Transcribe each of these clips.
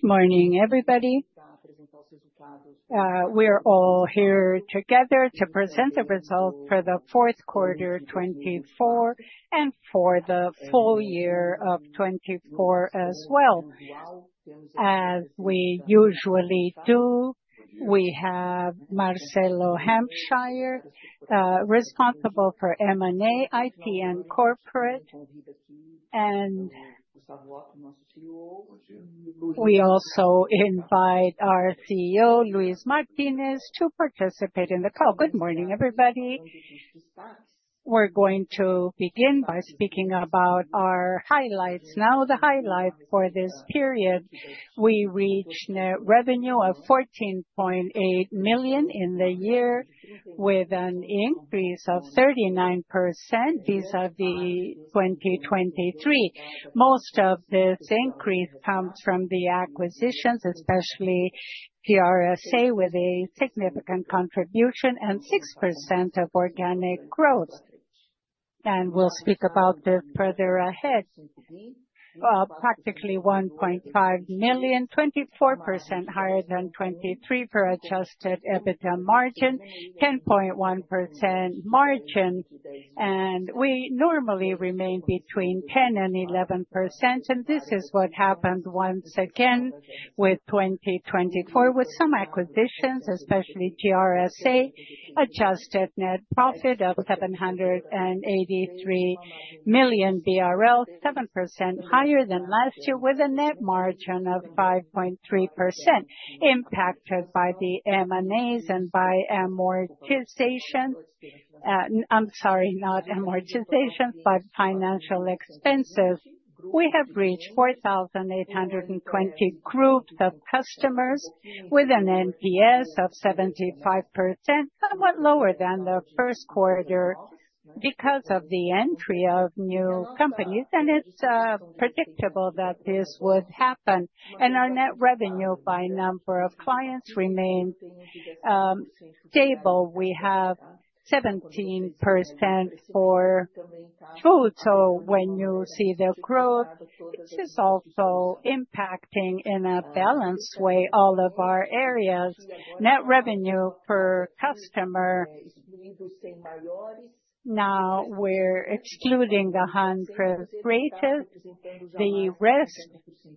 Good morning, everybody. We're all here together to present the results for the fourth quarter 2024 and for the full year of 2024 as well. As we usually do, we have Marcelo Botelho responsible for M&A IT and Corporate, and we also invite our CEO, Luis Martinez, to participate in the call. Good morning, everybody. We're going to begin by speaking about our highlights. Now, the highlight for this period: we reached a revenue of 14.8 billion in the year, with an increase of 39% vis-à-vis 2023. Most of this increase comes from the acquisitions, especially GRSA, with a significant contribution and 6% of organic growth, and we'll speak about this further ahead. Practically $1.5 million, 24% higher than 2023 for adjusted EBITDA margin, 10.1% margin. We normally remain between 10% and 11%, and this is what happened once again with 2024, with some acquisitions, especially GRSA, adjusted net profit of 783 million BRL, 7% higher than last year, with a net margin of 5.3%, impacted by the M&As and by amortization. I'm sorry, not amortization, but financial expenses. We have reached 4,820 groups of customers with an NPS of 75%, somewhat lower than the first quarter because of the entry of new companies, and it's predictable that this would happen. Our net revenue by number of clients remains stable. We have 17% for total. When you see the growth, this is also impacting in a balanced way all of our areas. Net revenue per customer. Now we're excluding the 100 greatest; the rest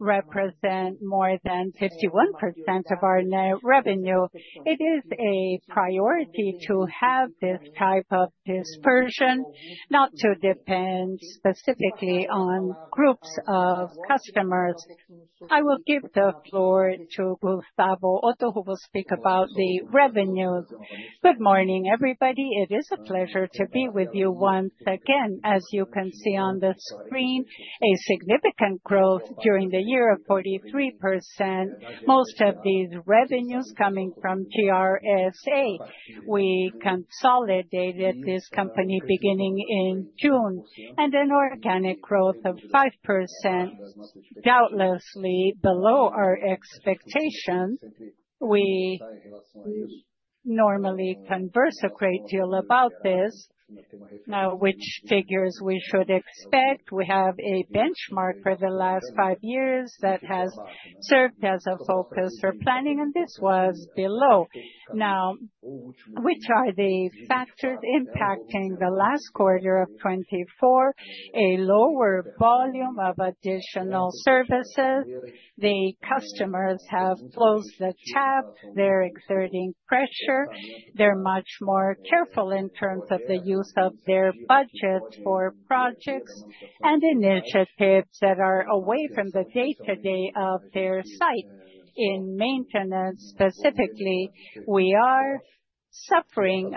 represent more than 51% of our net revenue. It is a priority to have this type of dispersion, not to depend specifically on groups of customers. I will give the floor to Gustavo Otto, who will speak about the revenues. Good morning, everybody. It is a pleasure to be with you once again. As you can see on the screen, a significant growth during the year of 43%, most of these revenues coming from GRSA. We consolidated this company beginning in June, and an organic growth of 5%, doubtlessly below our expectations. We normally converse a great deal about this. Now, which figures we should expect? We have a benchmark for the last five years that has served as a focus for planning, and this was below. Now, which are the factors impacting the last quarter of 2024? A lower volume of additional services. The customers have closed the tab. They're exerting pressure. They're much more careful in terms of the use of their budgets for projects and initiatives that are away from the day-to-day of their site. In maintenance, specifically, we are suffering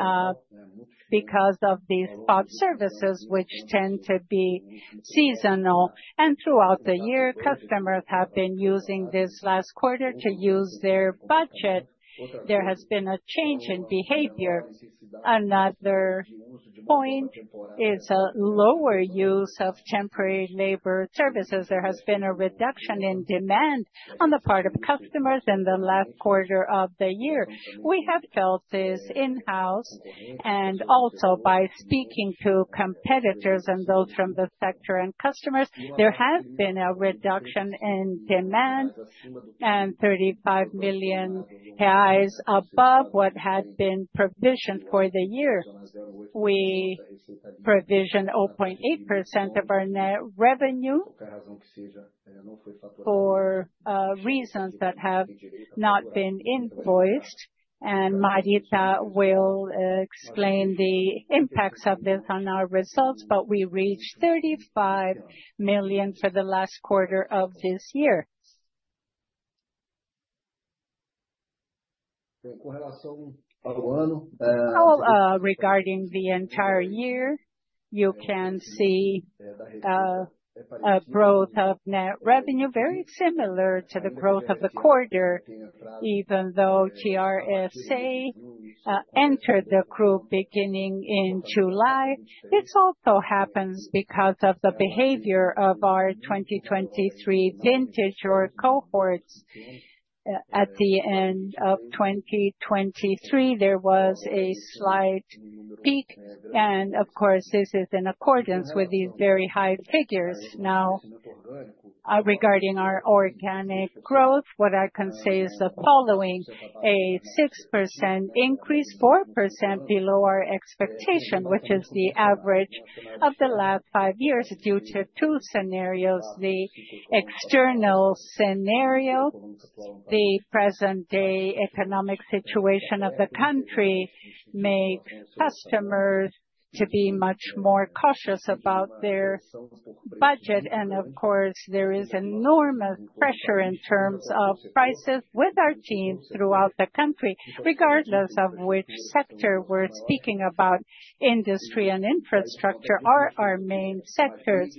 because of these spot services, which tend to be seasonal, and throughout the year, customers have been using this last quarter to use their budget. There has been a change in behavior. Another point is a lower use of temporary labor services. There has been a reduction in demand on the part of customers in the last quarter of the year. We have felt this in-house, and also by speaking to competitors and those from the sector and customers, there has been a reduction in demand and $35 million above what had been provisioned for the year. We provisioned 0.8% of our net revenue for reasons that have not been invoiced, and Maria will explain the impacts of this on our results, but we reached $35 million for the last quarter of this year. Regarding the entire year, you can see a growth of net revenue very similar to the growth of the quarter, even though GRSA entered the group beginning in July. This also happens because of the behavior of our 2023 vintage or cohorts. At the end of 2023, there was a slight peak, and of course, this is in accordance with these very high figures. Now, regarding our organic growth, what I can say is the following: a 6% increase, 4% below our expectation, which is the average of the last five years due to two scenarios. The external scenario, the present-day economic situation of the country, makes customers to be much more cautious about their budget, and of course, there is enormous pressure in terms of prices with our team throughout the country, regardless of which sector we're speaking about. Industry and infrastructure are our main sectors.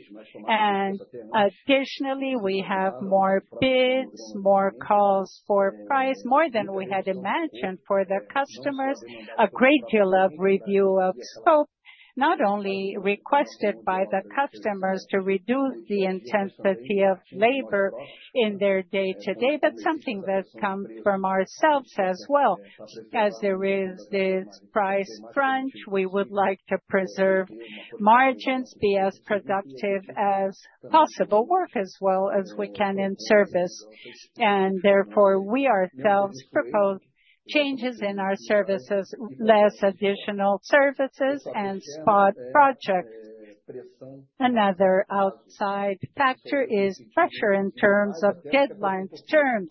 Additionally, we have more bids, more calls for price, more than we had imagined for the customers. A great deal of review of scope, not only requested by the customers to reduce the intensity of labor in their day-to-day, but something that comes from ourselves as well. As there is this price crunch, we would like to preserve margins, be as productive as possible, work as well as we can in service. Therefore, we ourselves propose changes in our services, less additional services and spot projects. Another outside factor is pressure in terms of deadlines, terms.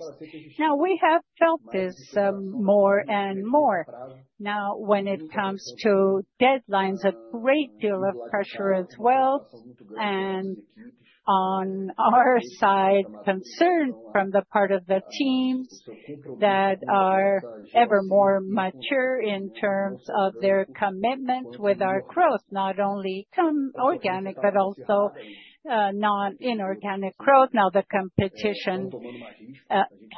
Now, we have felt this more and more. Now, when it comes to deadlines, a great deal of pressure as well. On our side, concern from the part of the teams that are ever more mature in terms of their commitment with our growth, not only organic but also non-inorganic growth. Now, the competition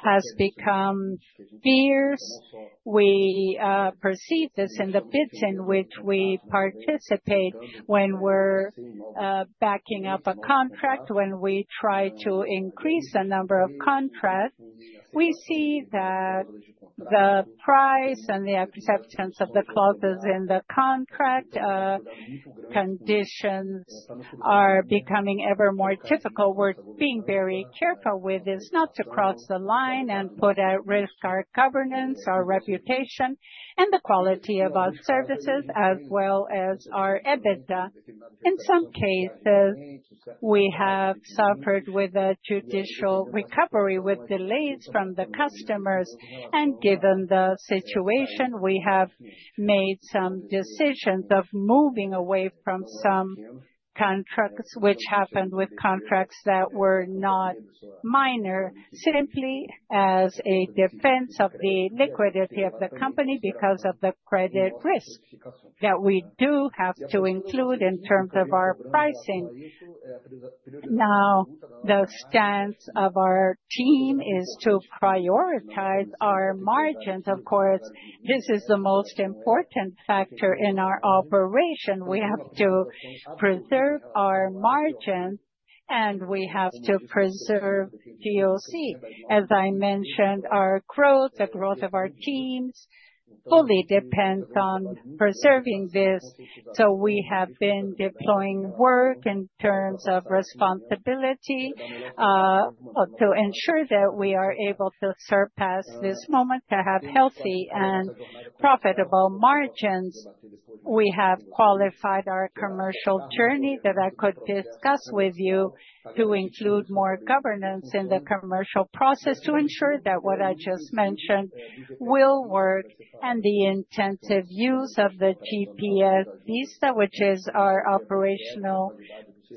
has become fierce. We perceive this in the bids in which we participate when we're backing up a contract. When we try to increase the number of contracts, we see that the price and the acceptance of the clauses in the contract conditions are becoming ever more difficult. We're being very careful with this not to cross the line and put at risk our governance, our reputation, and the quality of our services as well as our EBITDA. In some cases, we have suffered with a judicial recovery with delays from the customers, and given the situation, we have made some decisions of moving away from some contracts, which happened with contracts that were not minor, simply as a defense of the liquidity of the company because of the credit risk that we do have to include in terms of our pricing. Now, the stance of our team is to prioritize our margins. Of course, this is the most important factor in our operation. We have to preserve our margins, and we have to preserve Operating Cash Generation. As I mentioned, our growth, the growth of our teams fully depends on preserving this. So we have been deploying work in terms of responsibility to ensure that we are able to surpass this moment to have healthy and profitable margins. We have qualified our commercial journey that I could discuss with you to include more governance in the commercial process to ensure that what I just mentioned will work and the intensive use of the GPS Vista, which is our operational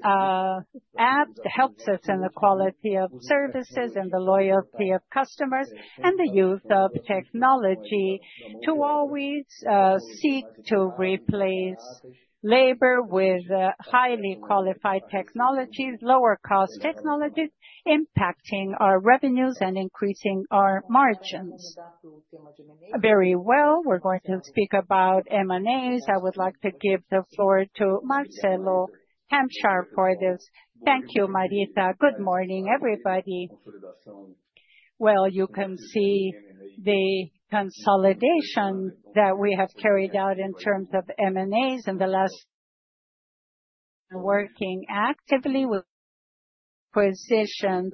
app, helps us in the quality of services and the loyalty of customers and the use of technology to always seek to replace labor with highly qualified technologies, lower-cost technologies, impacting our revenues and increasing our margins. Very well, we're going to speak about M&As. I would like to give the floor to Marcelo Botelho for this. Thank you, Maria. Good morning, everybody. Well, you can see the consolidation that we have carried out in terms of M&As in the last working actively with positions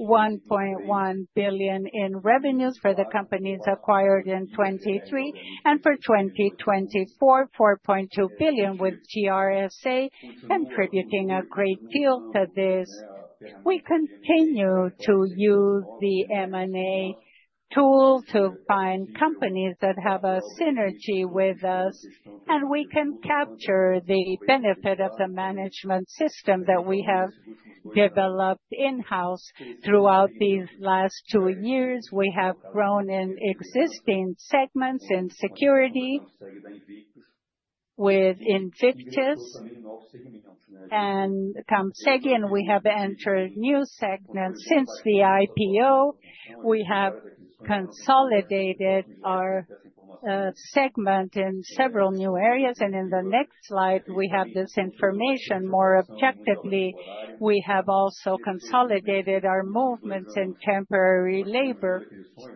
$1.1 billion in revenues for the companies acquired in 2023 and for 2024, $4.2 billion with GRSA contributing a great deal to this. We continue to use the M&A tool to find companies that have a synergy with us, and we can capture the benefit of the management system that we have developed in-house throughout these last two years. We have grown in existing segments in security with Invicta and Comseg, and we have entered new segments since the IPO. We have consolidated our segment in several new areas, and in the next slide, we have this information more objectively. We have also consolidated our movements in temporary labor,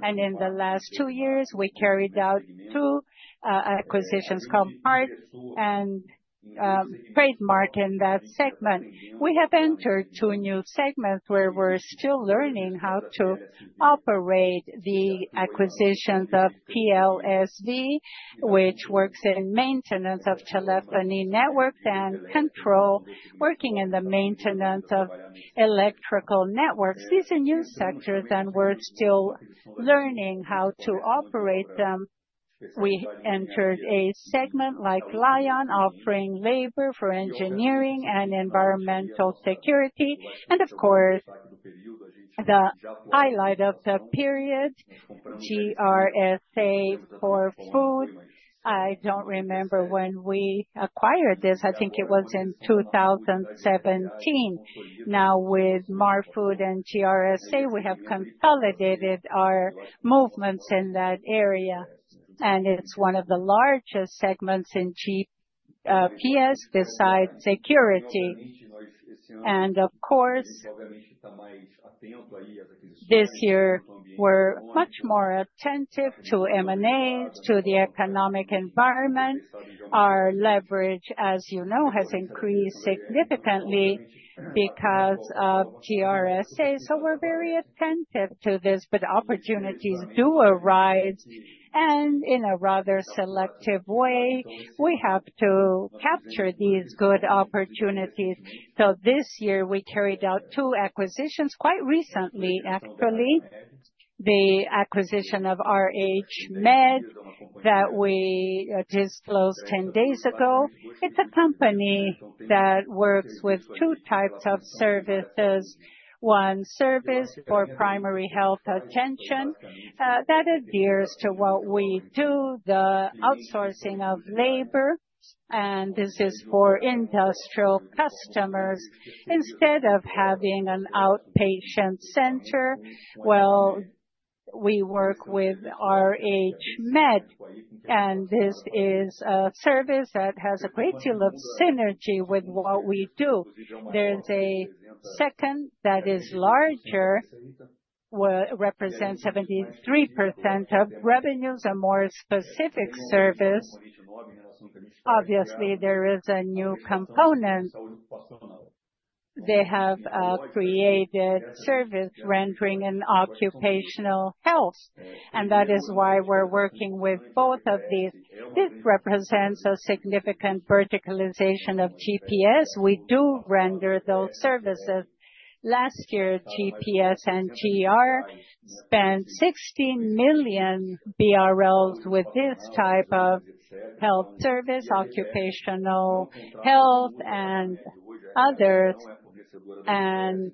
and in the last two years, we carried out two acquisitions called Pater and TrendRH in that segment. We have entered two new segments where we're still learning how to operate the acquisitions of TLSV, which works in maintenance of telephony networks and Control working in the maintenance of electrical networks. These are new sectors, and we're still learning how to operate them. We entered a segment like Lyon, offering labor for engineering and environmental security, and of course, the highlight of the period, GRSA for Food. I don't remember when we acquired this. I think it was in 2017. Now, with Marfood and GRSA, we have consolidated our movements in that area, and it's one of the largest segments in GPS besides security, and of course, this year, we're much more attentive to M&As, to the economic environment. Our leverage, as you know, has increased significantly because of GRSA, so we're very attentive to this, but opportunities do arise, and in a rather selective way, we have to capture these good opportunities, so this year, we carried out two acquisitions quite recently, actually. The acquisition of RHMED that we disclosed 10 days ago. It's a company that works with two types of services. One service for primary health attention that adheres to what we do, the outsourcing of labor, and this is for industrial customers. Instead of having an outpatient center, well, we work with RHMED, and this is a service that has a great deal of synergy with what we do. There's a second that is larger, represents 73% of revenues, a more specific service. Obviously, there is a new component. They have created service rendering and occupational health, and that is why we're working with both of these. This represents a significant verticalization of GPS. We do render those services. Last year, GPS and GR spent 16 million BRL with this type of health service, occupational health, and others and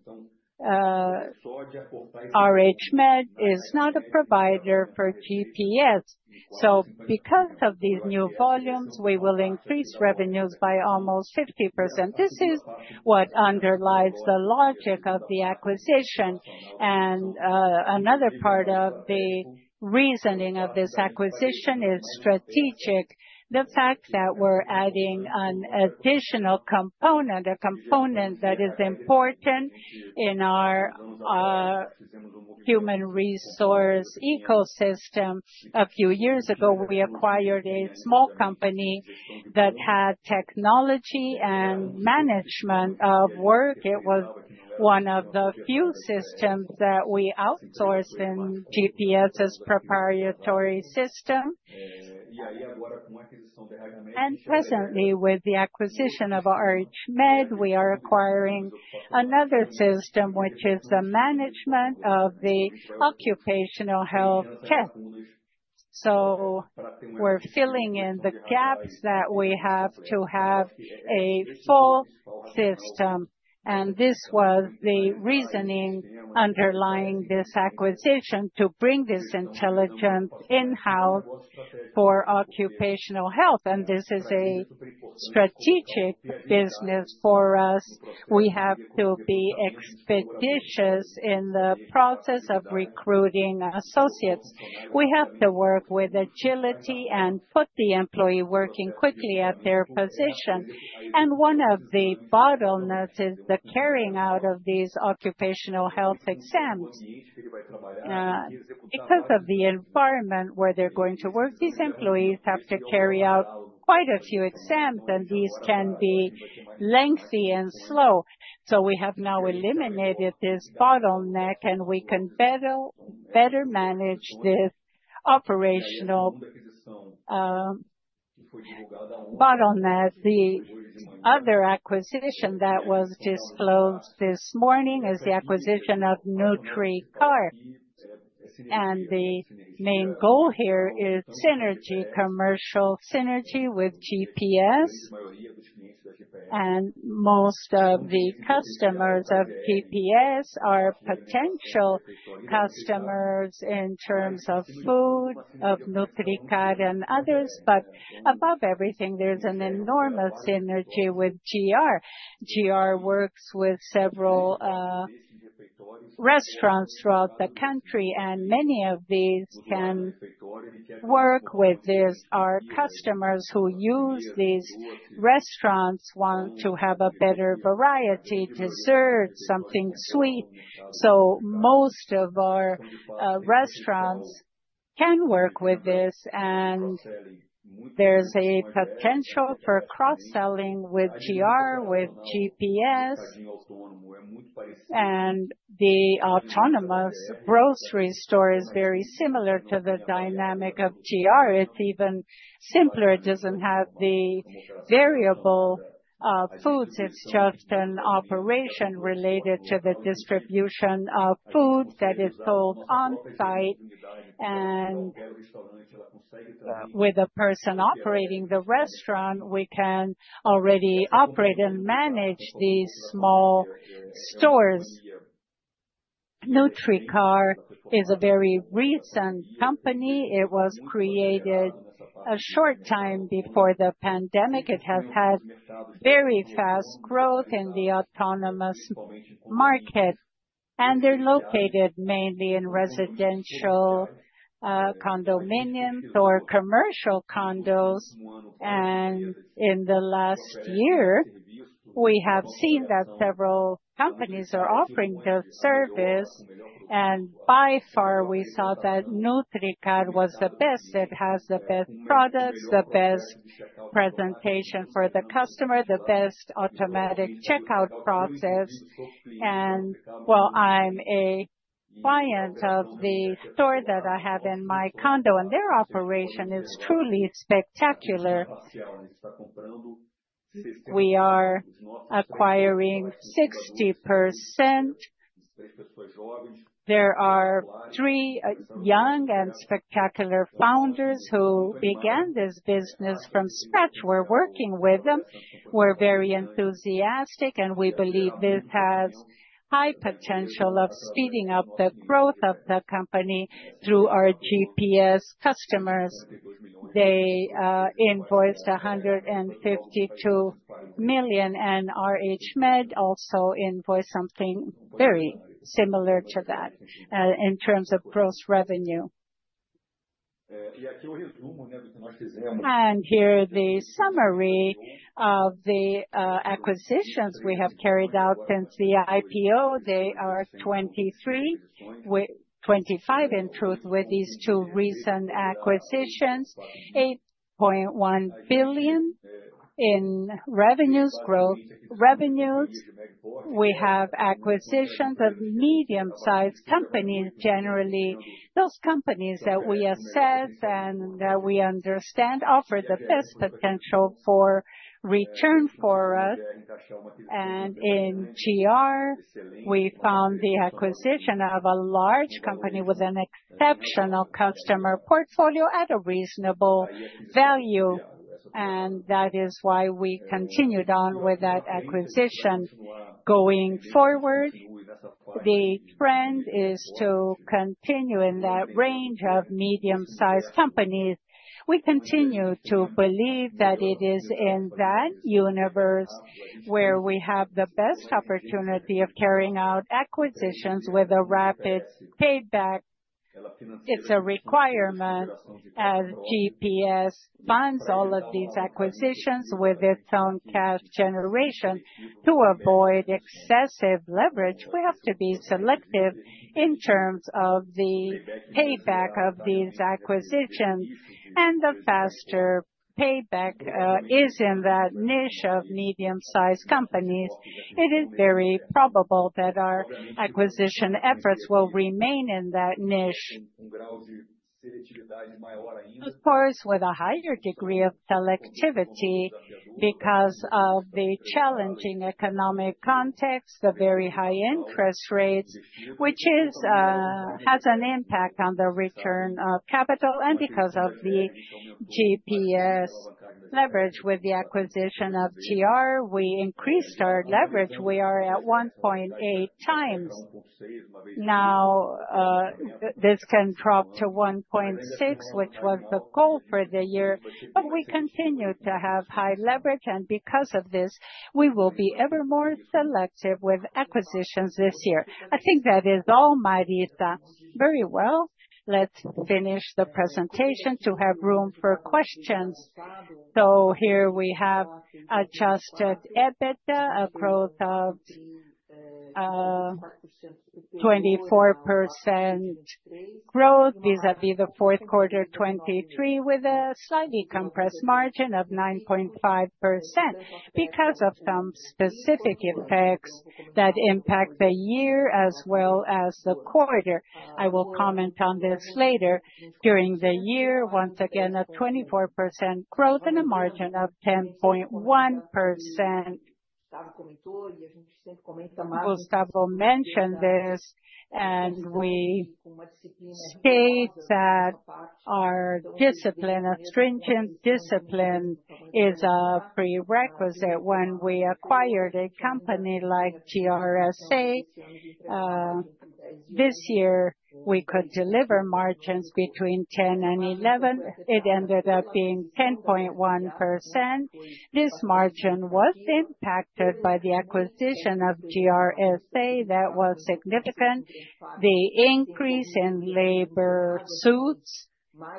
RHMED is not a provider for GPS so because of these new volumes, we will increase revenues by almost 50%. This is what underlies the logic of the acquisition. And another part of the reasoning of this acquisition is strategic. The fact that we're adding an additional component, a component that is important in our human resource ecosystem. A few years ago, we acquired a small company that had technology and management of work. It was one of the few systems that we outsourced in GPS's proprietary system. And presently, with the acquisition of RHMED, we are acquiring another system, which is the management of the occupational health test. So we're filling in the gaps that we have to have a full system. And this was the reasoning underlying this acquisition to bring this intelligence in-house for occupational health. And this is a strategic business for us. We have to be expeditious in the process of recruiting associates. We have to work with agility and put the employee working quickly at their position. One of the bottlenecks is the carrying out of these occupational health exams. Because of the environment where they're going to work, these employees have to carry out quite a few exams, and these can be lengthy and slow. We have now eliminated this bottleneck, and we can better manage this operational bottleneck. The other acquisition that was disclosed this morning is the acquisition of Nutricar. The main goal here is synergy, commercial synergy with GPS. Most of the customers of GPS are potential customers in terms of Food, of Nutricar and others. Above everything, there's an enormous synergy with GR. GR works with several restaurants throughout the country, and many of these can work with this. Our customers who use these restaurants want to have a better variety, dessert, something sweet. So most of our restaurants can work with this, and there's a potential for cross-selling with GR, with GPS. And the autonomous grocery store is very similar to the dynamic of GR. It's even simpler. It doesn't have the variable foods. It's just an operation related to the distribution of food that is sold on-site. And with a person operating the restaurant, we can already operate and manage these small stores. Nutricar is a very recent company. It was created a short time before the pandemic. It has had very fast growth in the autonomous market. And they're located mainly in residential condominiums or commercial condos. And in the last year, we have seen that several companies are offering the service. And by far, we saw that Nutricar was the best. It has the best products, the best presentation for the customer, the best automatic checkout process. I'm a client of the store that I have in my condo, and their operation is truly spectacular. We are acquiring 60%. There are three young and spectacular founders who began this business from scratch. We're working with them. We're very enthusiastic, and we believe this has high potential of speeding up the growth of the company through our GPS customers. They invoiced 152 million, and RHMED also invoiced something very similar to that in terms of gross revenue. Here's the summary of the acquisitions we have carried out since the IPO. They are 23, 25 in truth with these two recent acquisitions, BRL 8.1 billion in revenues. We have acquisitions of medium-sized companies. Generally, those companies that we assess and that we understand offer the best potential for return for us. In GR, we found the acquisition of a large company with an exceptional customer portfolio at a reasonable value. That is why we continued on with that acquisition. Going forward, the trend is to continue in that range of medium-sized companies. We continue to believe that it is in that universe where we have the best opportunity of carrying out acquisitions with a rapid payback. It's a requirement as GPS funds all of these acquisitions with its own cash generation to avoid excessive leverage. We have to be selective in terms of the payback of these acquisitions. The faster payback is in that niche of medium-sized companies. It is very probable that our acquisition efforts will remain in that niche. Of course, with a higher degree of selectivity because of the challenging economic context, the very high interest rates, which has an impact on the return of capital, and because of the GPS leverage with the acquisition of GR, we increased our leverage. We are at 1.8 times. Now, this can drop to 1.6, which was the goal for the year, but we continue to have high leverage, and because of this, we will be ever more selective with acquisitions this year. I think that is all, Maria. Very well. Let's finish the presentation to have room for questions, so here we have adjusted EBITDA, a growth of 24% growth vis-à-vis the fourth quarter 2023 with a slightly compressed margin of 9.5% because of some specific effects that impact the year as well as the quarter. I will comment on this later. During the year, once again, a 24% growth and a margin of 10.1%. Gustavo mentioned this and we state that our discipline, a stringent discipline, is a prerequisite. When we acquired a company like GRSA this year, we could deliver margins between 10% and 11%. It ended up being 10.1%. This margin was impacted by the acquisition of GRSA. That was significant. The increase in labor suits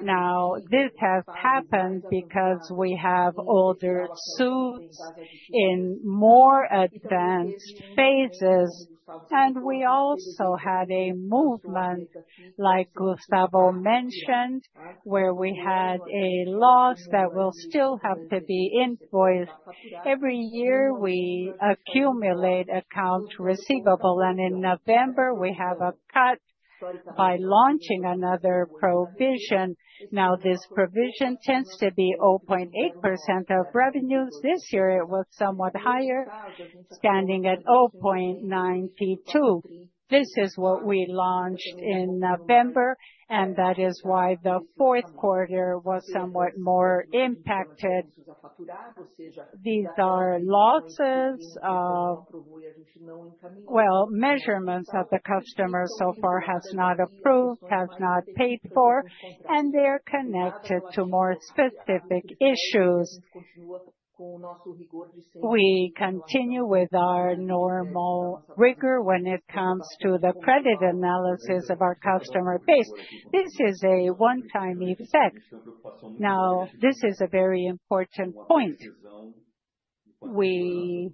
now has happened because we have older suits in more advanced phases, and we also had a movement, like Gustavo mentioned, where we had a loss that will still have to be invoiced. Every year, we accumulate accounts receivable, and in November, we have a cut by launching another provision. Now, this provision tends to be 0.8% of revenues. This year, it was somewhat higher, standing at 0.92%. This is what we launched in November, and that is why the fourth quarter was somewhat more impacted. These are losses of, well, measurements that the customer so far has not approved, has not paid for, and they are connected to more specific issues. We continue with our normal rigor when it comes to the credit analysis of our customer base. This is a one-time effect. Now, this is a very important point. We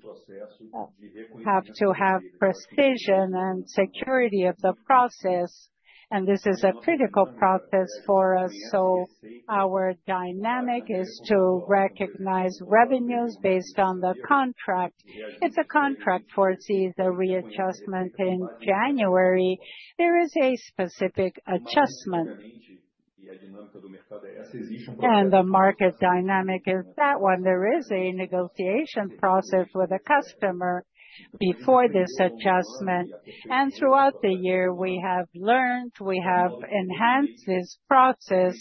have to have precision and security of the process, and this is a critical process for us, so our dynamic is to recognize revenues based on the contract. It's a contract foresees a readjustment in January. There is a specific adjustment, and the market dynamic is that one. There is a negotiation process with a customer before this adjustment. Throughout the year, we have learned, we have enhanced this process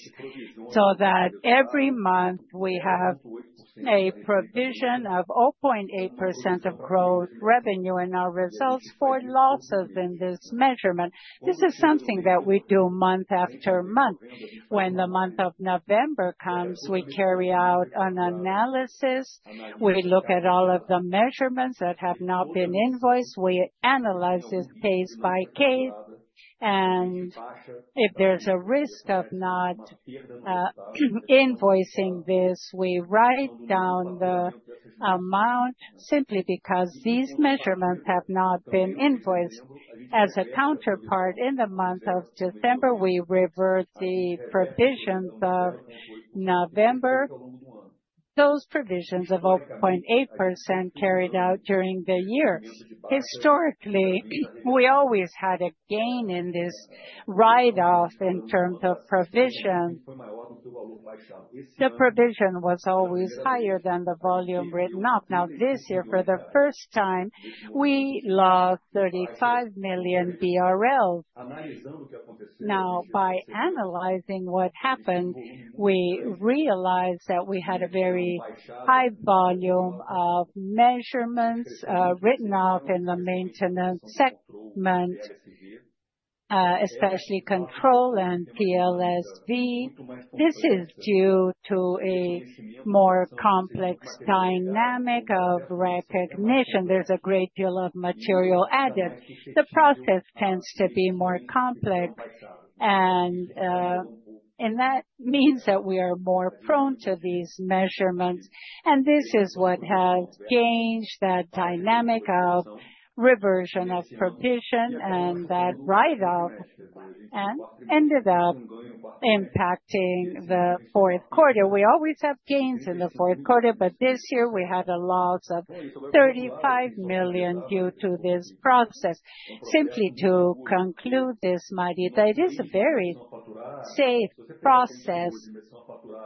so that every month we have a provision of 0.8% of growth revenue in our results for losses in this measurement. This is something that we do month after month. When the month of November comes, we carry out an analysis. We look at all of the measurements that have not been invoiced. We analyze this case by case. And if there's a risk of not invoicing this, we write down the amount simply because these measurements have not been invoiced. As a counterpart in the month of December, we revert the provisions of November. Those provisions of 0.8% carried out during the year. Historically, we always had a gain in this write-off in terms of provision. The provision was always higher than the volume written off. Now, this year, for the first time, we lost 35 million BRL. Now, by analyzing what happened, we realized that we had a very high volume of measurements written off in the maintenance segment, especially Control and TLSV. This is due to a more complex dynamic of recognition. There's a great deal of material added. The process tends to be more complex, and that means that we are more prone to these measurements, and this is what has gained that dynamic of reversion of provision and that write-off and ended up impacting the fourth quarter. We always have gains in the fourth quarter, but this year we had a loss of 35 million due to this process. Simply to conclude this, Maria, it is a very safe process.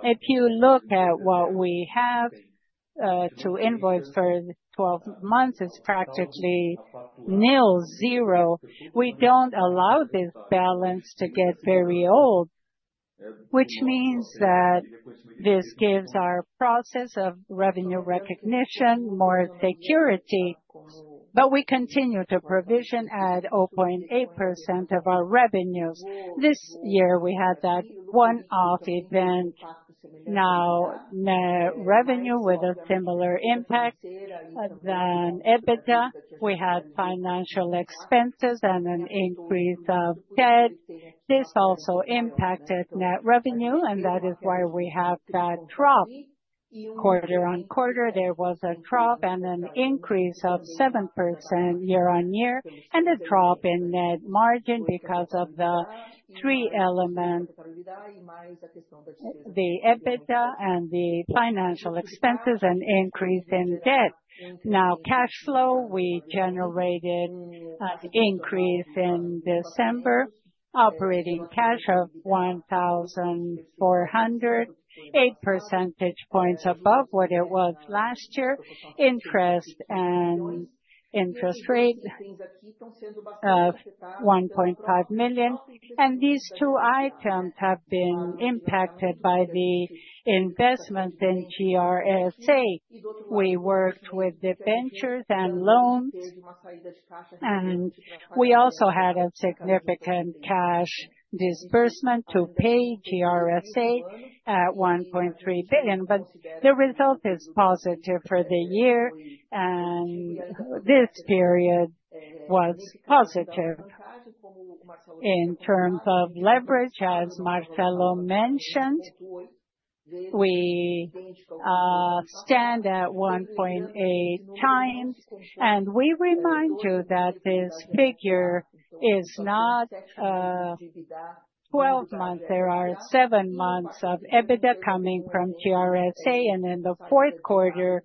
If you look at what we have to invoice for 12 months, it's practically nil, zero. We don't allow this balance to get very old, which means that this gives our process of revenue recognition more security, but we continue to provision at 0.8% of our revenues. This year, we had that one-off event. Now, net revenue with a similar impact than EBITDA. We had financial expenses and an increase of debt. This also impacted net revenue, and that is why we have that drop. Quarter on quarter, there was a drop and an increase of 7% year on year, and a drop in net margin because of the three elements, the EBITDA and the financial expenses, and increase in debt. Now, cash flow, we generated an increase in December, operating cash of 1,400, 8 percentage points above what it was last year, interest and interest rate of 1.5 million, and these two items have been impacted by the investments in GRSA. We worked with the ventures and loans, and we also had a significant cash disbursement to pay GRSA at 1.3 billion. But the result is positive for the year, and this period was positive. In terms of leverage, as Marcelo mentioned, we stand at 1.8 times. And we remind you that this figure is not 12 months. There are seven months of EBITDA coming from GRSA. And in the fourth quarter,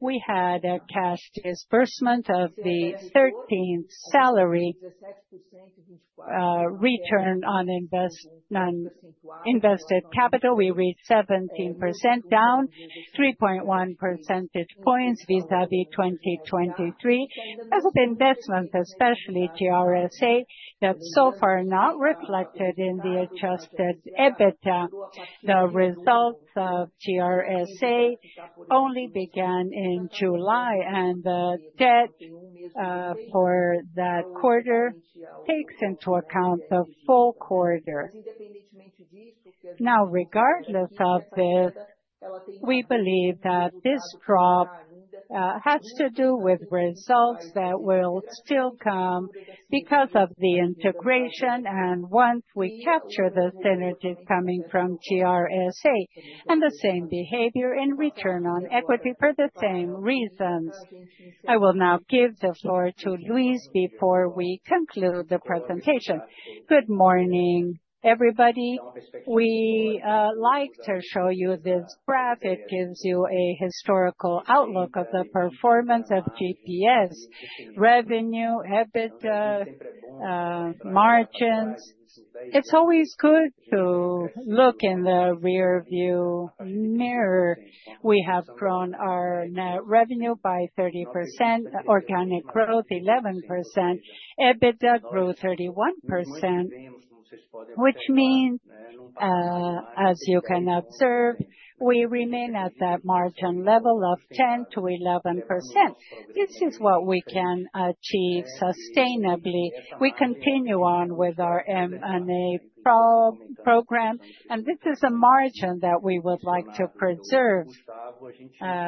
we had a cash disbursement of the 13th salary return on invested capital. We reached 17% down, 3.1 percentage points vis-à-vis 2023. That's an investment, especially GRSA, that's so far not reflected in the adjusted EBITDA. The results of GRSA only began in July, and the debt for that quarter takes into account the full quarter. Now, regardless of this, we believe that this drop has to do with results that will still come because of the integration. Once we capture the synergy coming from GRSA, and the same behavior in return on equity for the same reasons. I will now give the floor to Luis before we conclude the presentation. Good morning, everybody. We like to show you this graph. It gives you a historical outlook of the performance of GPS, revenue, EBITDA, margins. It's always good to look in the rearview mirror. We have grown our net revenue by 30%, organic growth 11%, EBITDA grew 31%, which means, as you can observe, we remain at that margin level of 10%-11%. This is what we can achieve sustainably. We continue on with our M&A program, and this is a margin that we would like to preserve.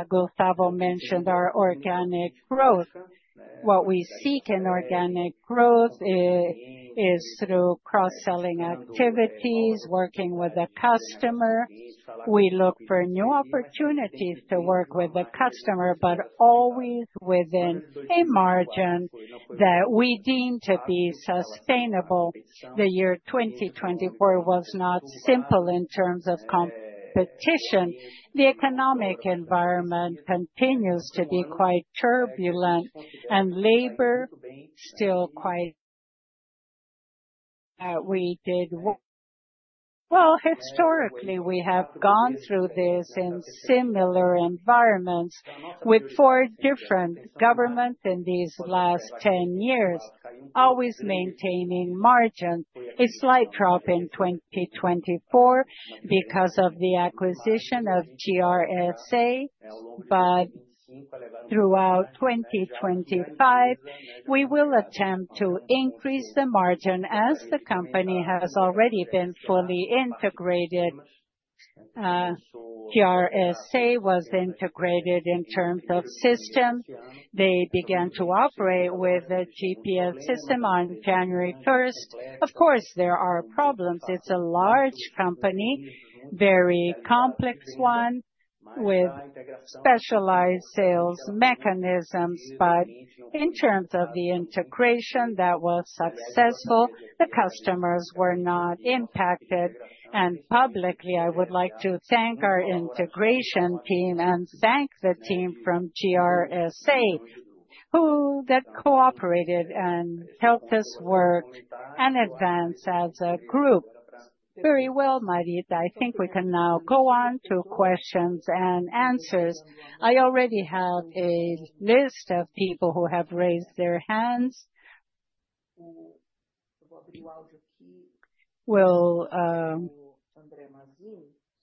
Gustavo mentioned our organic growth. What we seek in organic growth is through cross-selling activities, working with the customer. We look for new opportunities to work with the customer, but always within a margin that we deem to be sustainable. The year 2024 was not simple in terms of competition. The economic environment continues to be quite turbulent, and labor still quite. Historically, we have gone through this in similar environments with four different governments in these last 10 years, always maintaining margins. A slight drop in 2024 because of the acquisition of GRSA, but throughout 2025, we will attempt to increase the margin as the company has already been fully integrated. GRSA was integrated in terms of system. They began to operate with a GPS system on January 1st. Of course, there are problems. It's a large company, very complex one with specialized sales mechanisms. But in terms of the integration that was successful, the customers were not impacted. Publicly, I would like to thank our integration team and thank the team from GRSA who cooperated and helped us work and advance as a group. Very well, Maria. I think we can now go on to questions and answers. I already have a list of people who have raised their hands. We'll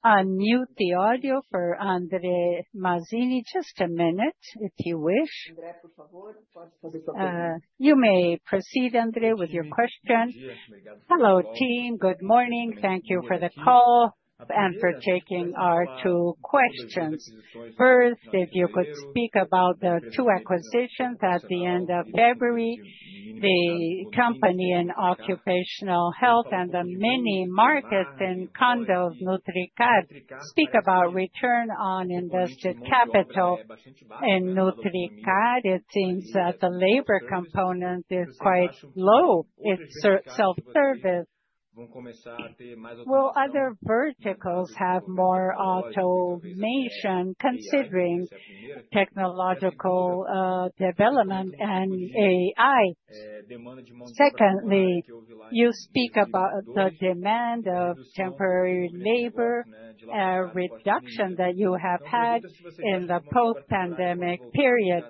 unmute the audio for André Mazini. Just a minute if you wish. You may proceed, André, with your question. Hello, team. Good morning. Thank you for the call and for taking our two questions. First, if you could speak about the two acquisitions at the end of February, the company in occupational health and the mini markets in condos, Nutricar. Speak about return on invested capital in Nutricar. It seems that the labor component is quite low. It's self-service. Will other verticals have more automation considering technological development and AI? Secondly, you speak about the demand of temporary labor, a reduction that you have had in the post-pandemic period.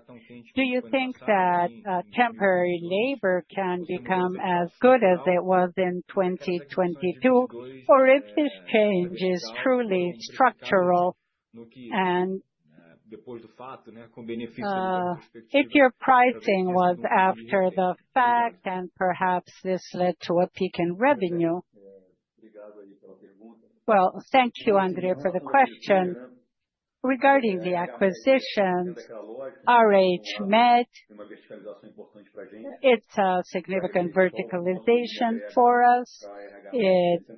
Do you think that temporary labor can become as good as it was in 2022? Or if this change is truly structural and if your pricing was after the fact, and perhaps this led to a peak in revenue? Well, thank you, André, for the question. Regarding the acquisitions, RHMED, it's a significant verticalization for us. It's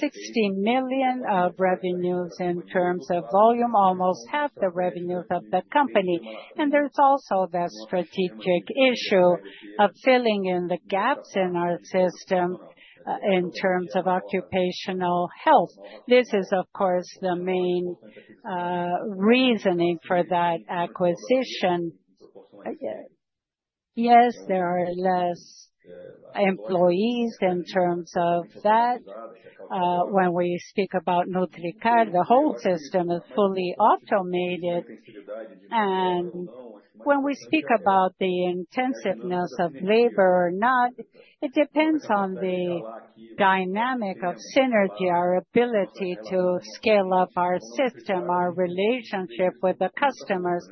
60 million of revenues in terms of volume, almost half the revenues of the company. And there's also the strategic issue of filling in the gaps in our system in terms of occupational health. This is, of course, the main reasoning for that acquisition. Yes, there are less employees in terms of that. When we speak about Nutricar, the whole system is fully automated. When we speak about the intensiveness of labor or not, it depends on the dynamic of synergy, our ability to scale up our system, our relationship with the customers.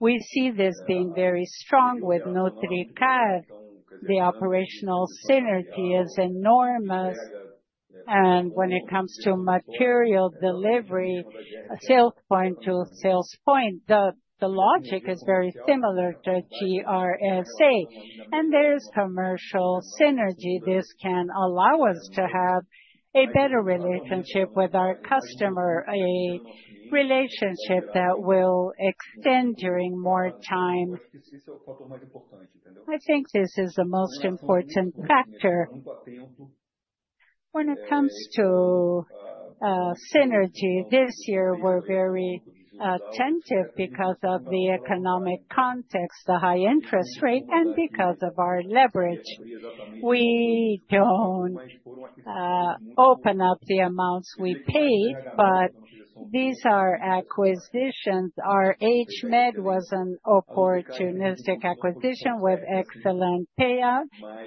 We see this being very strong with Nutricar. The operational synergy is enormous. When it comes to material delivery, sales point to sales point, the logic is very similar to GRSA. There's commercial synergy. This can allow us to have a better relationship with our customer, a relationship that will extend during more time. I think this is the most important factor. When it comes to synergy, this year, we're very attentive because of the economic context, the high interest rate, and because of our leverage. We don't open up the amounts we paid, but these are acquisitions. RHMED was an opportunistic acquisition with excellent payout.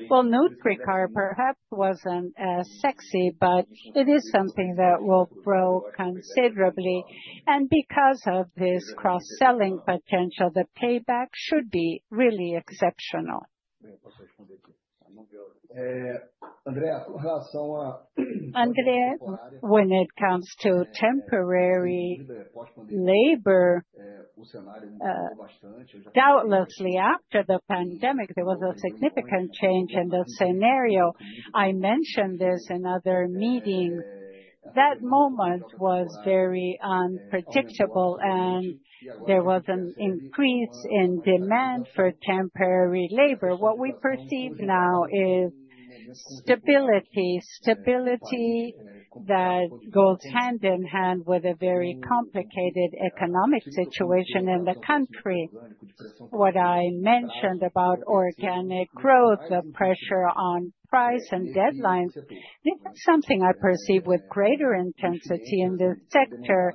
Nutricar perhaps wasn't as sexy, but it is something that will grow considerably, because of this cross-selling potential, the payback should be really exceptional. André, when it comes to temporary labor, doubtlessly after the pandemic, there was a significant change in the scenario. I mentioned this in other meetings. That moment was very unpredictable, and there was an increase in demand for temporary labor. What we perceive now is stability, stability that goes hand in hand with a very complicated economic situation in the country. What I mentioned about organic growth, the pressure on price and deadlines, it's something I perceive with greater intensity in this sector,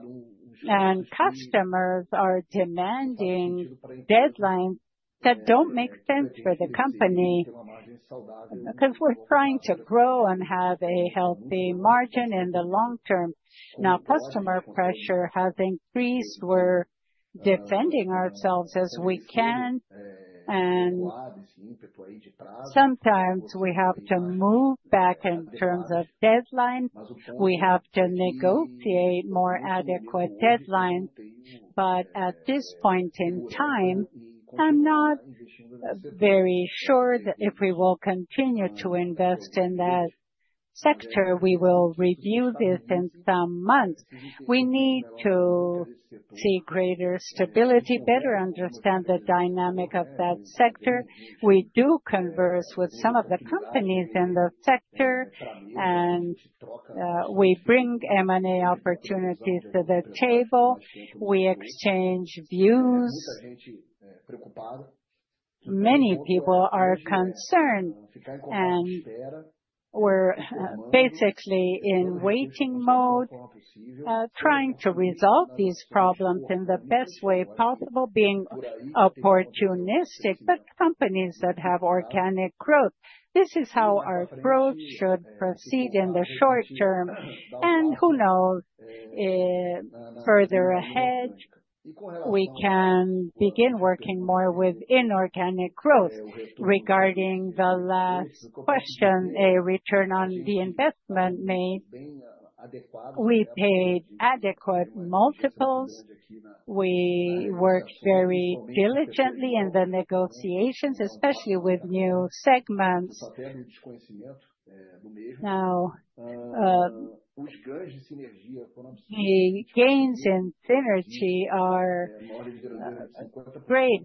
customers are demanding deadlines that don't make sense for the company because we're trying to grow and have a healthy margin in the long term. Now, customer pressure has increased. We're defending ourselves as we can. Sometimes we have to move back in terms of deadlines. We have to negotiate more adequate deadlines. At this point in time, I'm not very sure that if we will continue to invest in that sector. We will review this in some months. We need to see greater stability, better understand the dynamic of that sector. We do converse with some of the companies in the sector, and we bring M&A opportunities to the table. We exchange views. Many people are concerned, and we're basically in waiting mode, trying to resolve these problems in the best way possible, being opportunistic. Companies that have organic growth, this is how our growth should proceed in the short term. Who knows, further ahead, we can begin working more with inorganic growth. Regarding the last question, a return on the investment made, we paid adequate multiples. We worked very diligently in the negotiations, especially with new segments. Now, the gains in synergy are great.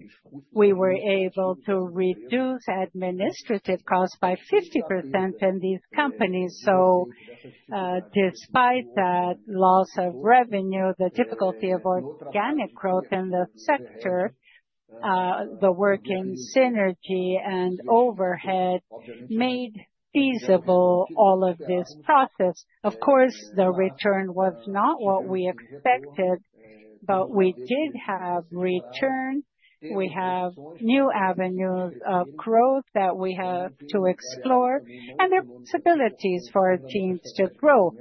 We were able to reduce administrative costs by 50% in these companies. So despite that loss of revenue, the difficulty of organic growth in the sector, the work in synergy and overhead made feasible all of this process. Of course, the return was not what we expected, but we did have return. We have new avenues of growth that we have to explore, and there are possibilities for our teams to grow.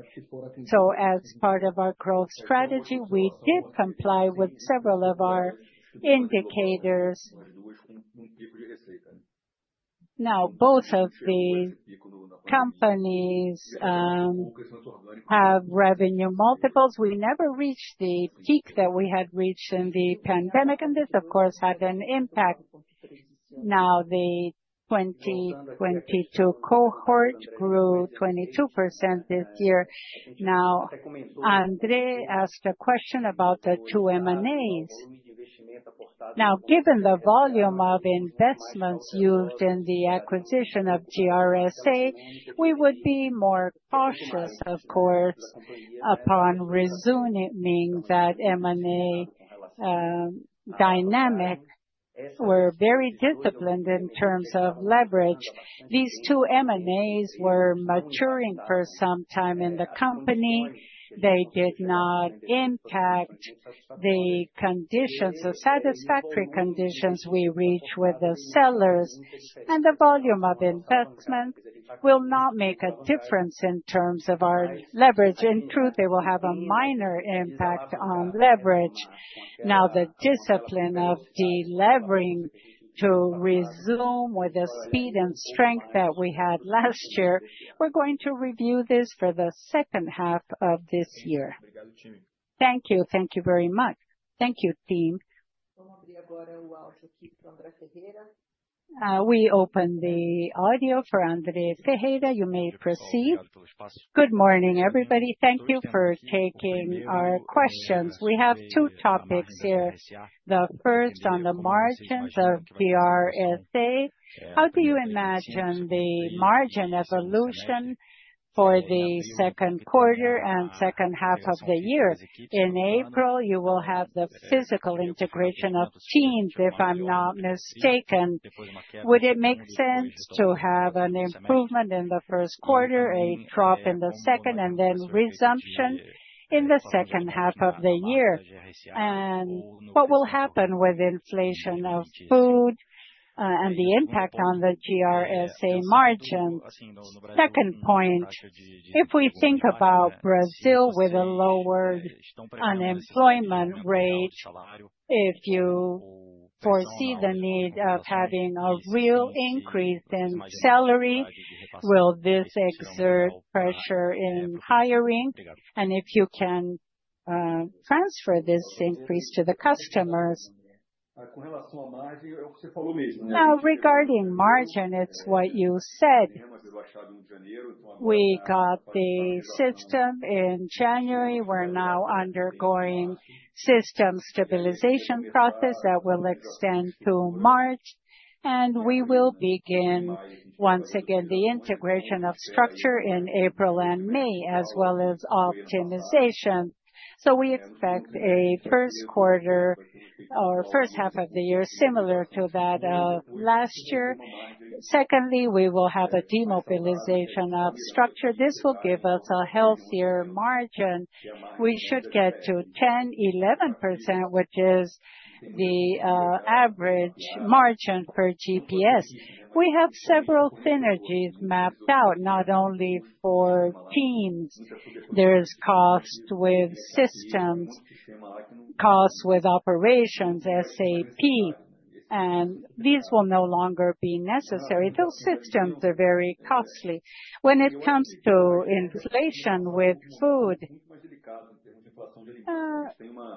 So as part of our growth strategy, we did comply with several of our indicators. Now, both of the companies have revenue multiples. We never reached the peak that we had reached in the pandemic, and this, of course, had an impact. Now, the 2022 cohort grew 22% this year. Now, André asked a question about the two M&As. Now, given the volume of investments used in the acquisition of GRSA, we would be more cautious, of course, upon resuming that M&A dynamic. We're very disciplined in terms of leverage. These two M&As were maturing for some time in the company. They did not impact the conditions, the satisfactory conditions we reached with the sellers. And the volume of investments will not make a difference in terms of our leverage. In truth, they will have a minor impact on leverage. Now, the discipline of delivering to resume with the speed and strength that we had last year, we're going to review this for the second half of this year. Thank you. Thank you very much. Thank you, team. We open the audio for André Ferreira. You may proceed. Good morning, everybody. Thank you for taking our questions. We have two topics here. The first, on the margins of GRSA. How do you imagine the margin evolution for the second quarter and second half of the year? In April, you will have the physical integration of teams, if I'm not mistaken. Would it make sense to have an improvement in the first quarter, a drop in the second, and then resumption in the second half of the year? And what will happen with inflation of food and the impact on the GRSA margins? Second point, if we think about Brazil with a lowered unemployment rate, if you foresee the need of having a real increase in salary, will this exert pressure in hiring? And if you can transfer this increase to the customers? Now, regarding margin, it's what you said. We got the system in January. We're now undergoing system stabilization process that will extend to March. We will begin, once again, the integration of structure in April and May, as well as optimization. We expect a first quarter or first half of the year similar to that of last year. Secondly, we will have a demobilization of structure. This will give us a healthier margin. We should get to 10%-11%, which is the average margin per GPS. We have several synergies mapped out, not only for teams. There is cost with systems, costs with operations, SAP. And these will no longer be necessary. Those systems are very costly. When it comes to inflation with food,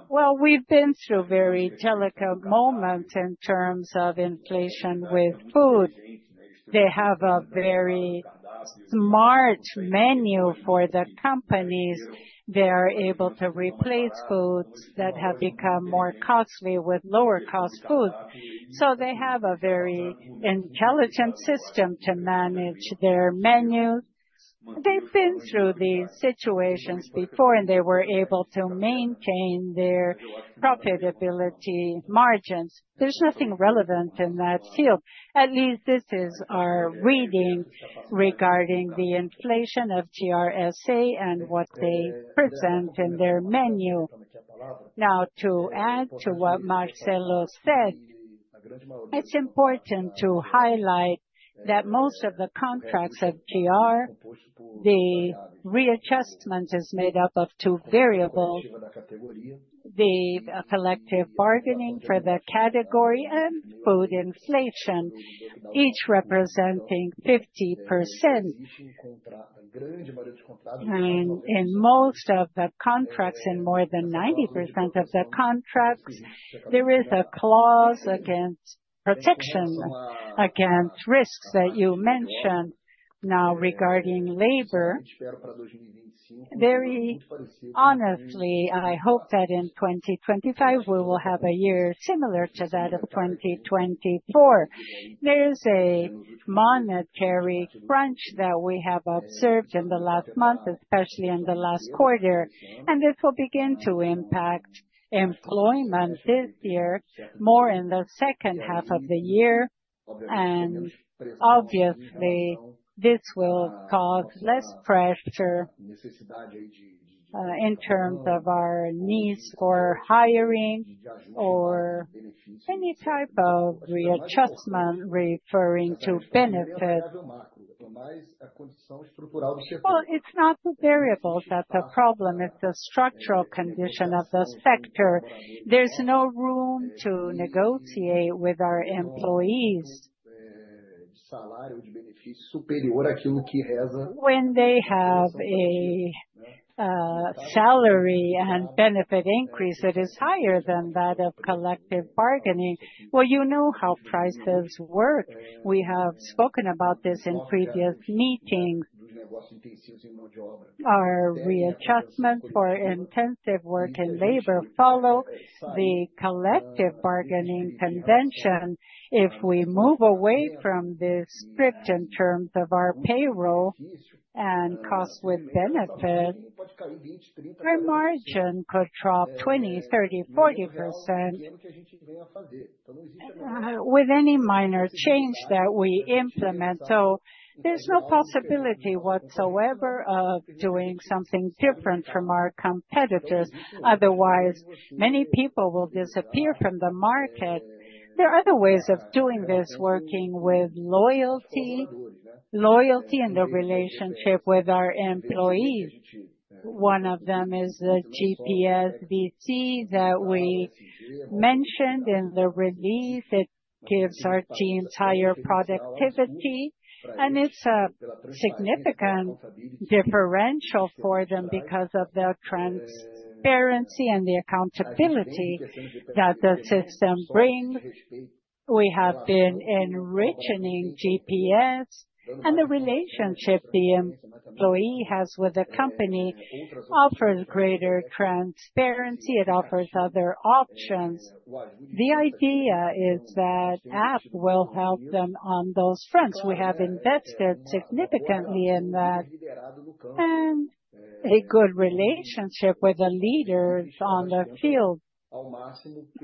well, we've been through a very delicate moment in terms of inflation with food. They have a very smart menu for the companies. They are able to replace foods that have become more costly with lower-cost foods. They have a very intelligent system to manage their menus. They've been through these situations before, and they were able to maintain their profitability margins. There's nothing relevant in that field. At least this is our reading regarding the inflation of GRSA and what they present in their menu. Now, to add to what Marcelo said, it's important to highlight that most of the contracts of GR, the readjustment is made up of two variables: the collective bargaining for the category and food inflation, each representing 50%. In most of the contracts, in more than 90% of the contracts, there is a clause against protection against risks that you mentioned. Now, regarding labor, very honestly, I hope that in 2025, we will have a year similar to that of 2024. There's a monetary crunch that we have observed in the last month, especially in the last quarter. This will begin to impact employment this year, more in the second half of the year. Obviously, this will cause less pressure in terms of our needs for hiring or any type of readjustment referring to benefits. It's not the variables that's a problem. It's the structural condition of the sector. There's no room to negotiate with our employees when they have a salary and benefit increase that is higher than that of collective bargaining. You know how prices work. We have spoken about this in previous meetings. Our readjustment for intensive work and labor follows the collective bargaining convention. If we move away from this script in terms of our payroll and cost with benefits, our margin could drop 20%, 30%, 40% with any minor change that we implement. There's no possibility whatsoever of doing something different from our competitors. Otherwise, many people will disappear from the market. There are other ways of doing this, working with loyalty, loyalty in the relationship with our employees. One of them is the GPS Você that we mentioned in the release. It gives our teams higher productivity, and it's a significant differential for them because of the transparency and the accountability that the system brings. We have been enriching GPS, and the relationship the employee has with the company offers greater transparency. It offers other options. The idea is that the app will help them on those fronts. We have invested significantly in that and a good relationship with the leaders on the field.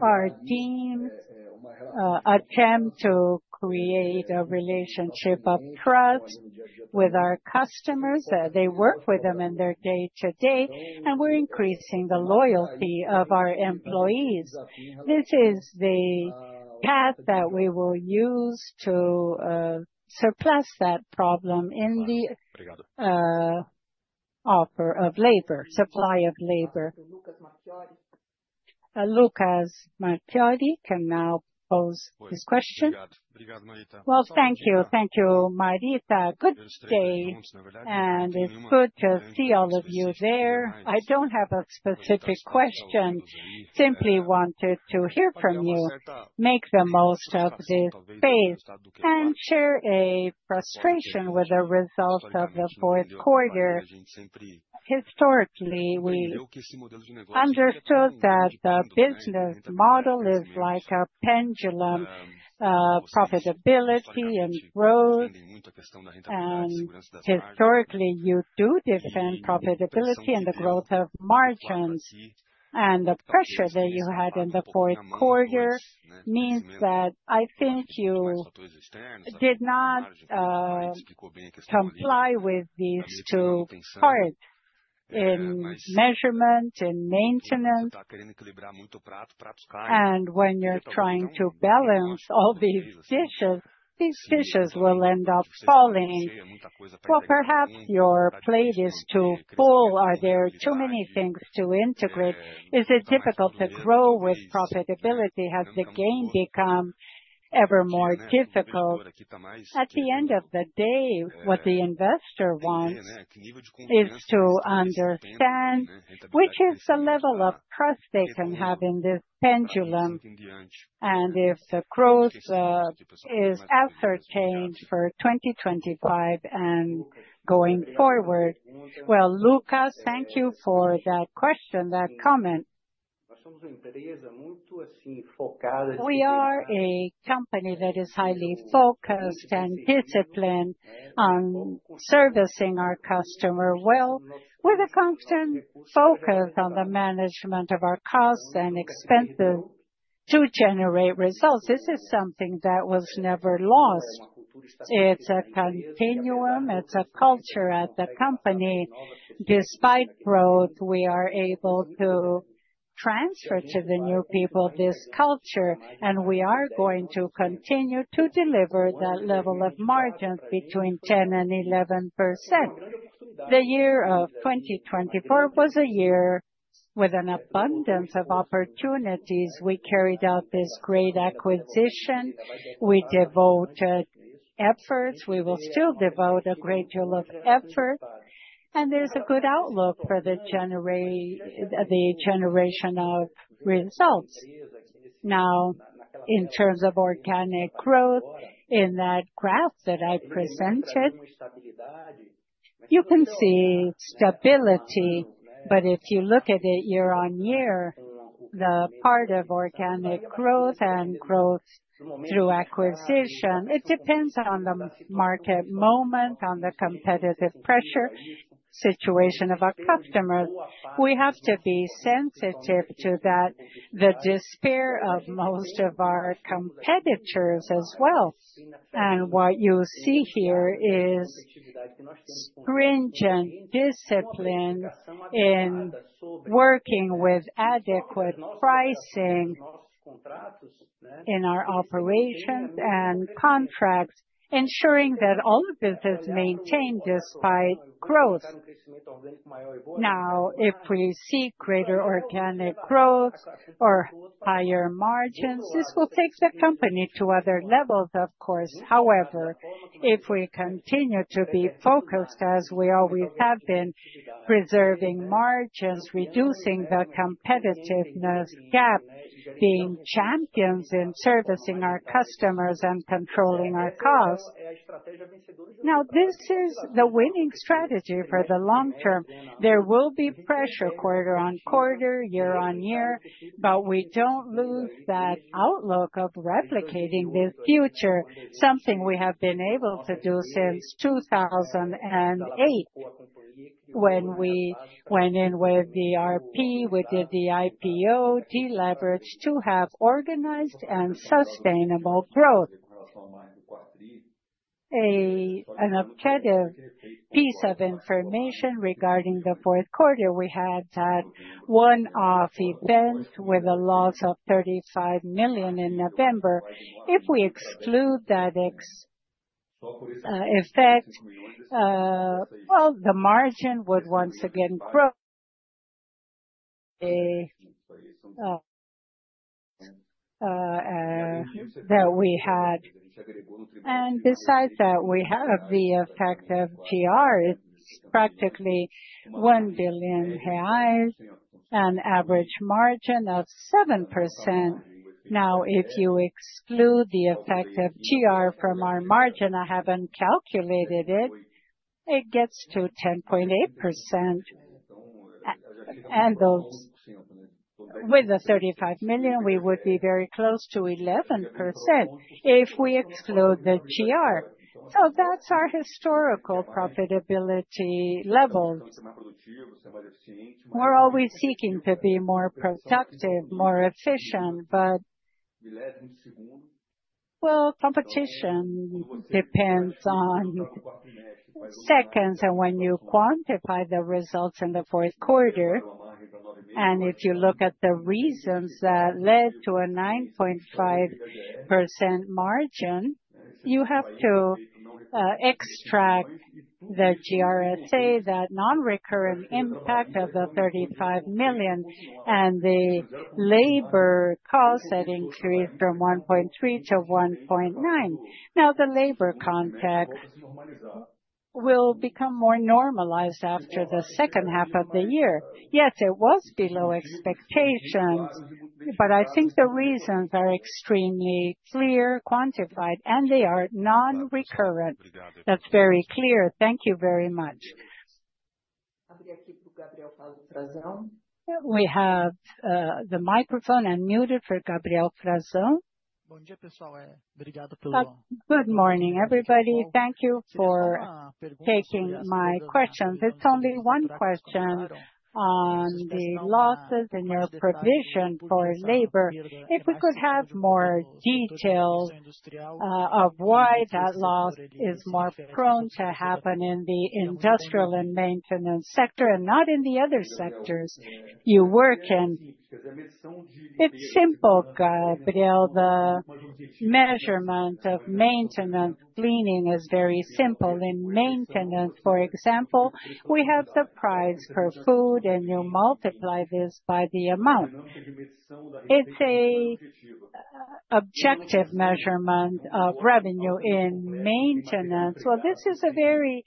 Our teams attempt to create a relationship of trust with our customers. They work with them in their day-to-day, and we're increasing the loyalty of our employees. This is the path that we will use to surpass that problem in the offer of labor, supply of labor. Lucas Marquiori can now pose his question. Well, thank you. Thank you, Maria. Good day. And it's good to see all of you there. I don't have a specific question. I simply wanted to hear from you. Make the most of this space and share a frustration with the results of the fourth quarter. Historically, we understood that the business model is like a pendulum: profitability and growth. And historically, you do defend profitability and the growth of margins. And the pressure that you had in the fourth quarter means that I think you did not comply with these two parts: in measurement, in maintenance. And when you're trying to balance all these dishes, these dishes will end up falling. Well, perhaps your plate is too full. Are there too many things to integrate? Is it difficult to grow with profitability? Has the gain become ever more difficult? At the end of the day, what the investor wants is to understand which is the level of trust they can have in this pendulum. And if the growth is ascertained for 2025 and going forward, well, Lucas, thank you for that question, that comment. We are a company that is highly focused and disciplined on servicing our customer well with a constant focus on the management of our costs and expenses to generate results. This is something that was never lost. It's a continuum. It's a culture at the company. Despite growth, we are able to transfer to the new people this culture. And we are going to continue to deliver that level of margin between 10% and 11%. The year of 2024 was a year with an abundance of opportunities. We carried out this great acquisition. We devoted efforts. We will still devote a great deal of effort, and there's a good outlook for the generation of results. Now, in terms of organic growth, in that graph that I presented, you can see stability, but if you look at it year on year, the part of organic growth and growth through acquisition, it depends on the market moment, on the competitive pressure, situation of our customers. We have to be sensitive to that, the despair of most of our competitors as well, and what you see here is stringent discipline in working with adequate pricing in our operations and contracts, ensuring that all of this is maintained despite growth. Now, if we see greater organic growth or higher margins, this will take the company to other levels, of course. However, if we continue to be focused, as we always have been, preserving margins, reducing the competitiveness gap, being champions in servicing our customers and controlling our costs, now this is the winning strategy for the long term. There will be pressure quarter on quarter, year on year, but we don't lose that outlook of replicating this future, something we have been able to do since 2008 when we went in with the RP, we did the IPO, deleveraged to have organized and sustainable growth. An updated piece of information regarding the fourth quarter, we had that one-off event with a loss of 35 million in November. If we exclude that effect, well, the margin would once again grow that we had. And besides that, we have the effect of GR, practically 1 billion reais and average margin of 7%. Now, if you exclude the effect of GR from our margin, I haven't calculated it, it gets to 10.8%. And with the 35 million, we would be very close to 11% if we exclude the GR. So that's our historical profitability levels. We're always seeking to be more productive, more efficient, but, well, competition depends on seconds. And when you quantify the results in the fourth quarter, and if you look at the reasons that led to a 9.5% margin, you have to extract the GRSA, that non-recurrent impact of the 35 million, and the labor costs that increased from 1.3% to 1.9%. Now, the labor context will become more normalized after the second half of the year. Yes, it was below expectations, but I think the reasons are extremely clear, quantified, and they are non-recurrent. That's very clear. Thank you very much. We have the microphone unmuted for Gabriel Frazão. Good morning, everybody. Thank you for taking my questions. It's only one question on the losses in your provision for labor. If we could have more details of why that loss is more prone to happen in the industrial and maintenance sector and not in the other sectors you work in? It's simple, Gabriel. The measurement of maintenance cleaning is very simple. In maintenance, for example, we have the price for food, and you multiply this by the amount. It's an objective measurement of revenue in maintenance. Well, this is a very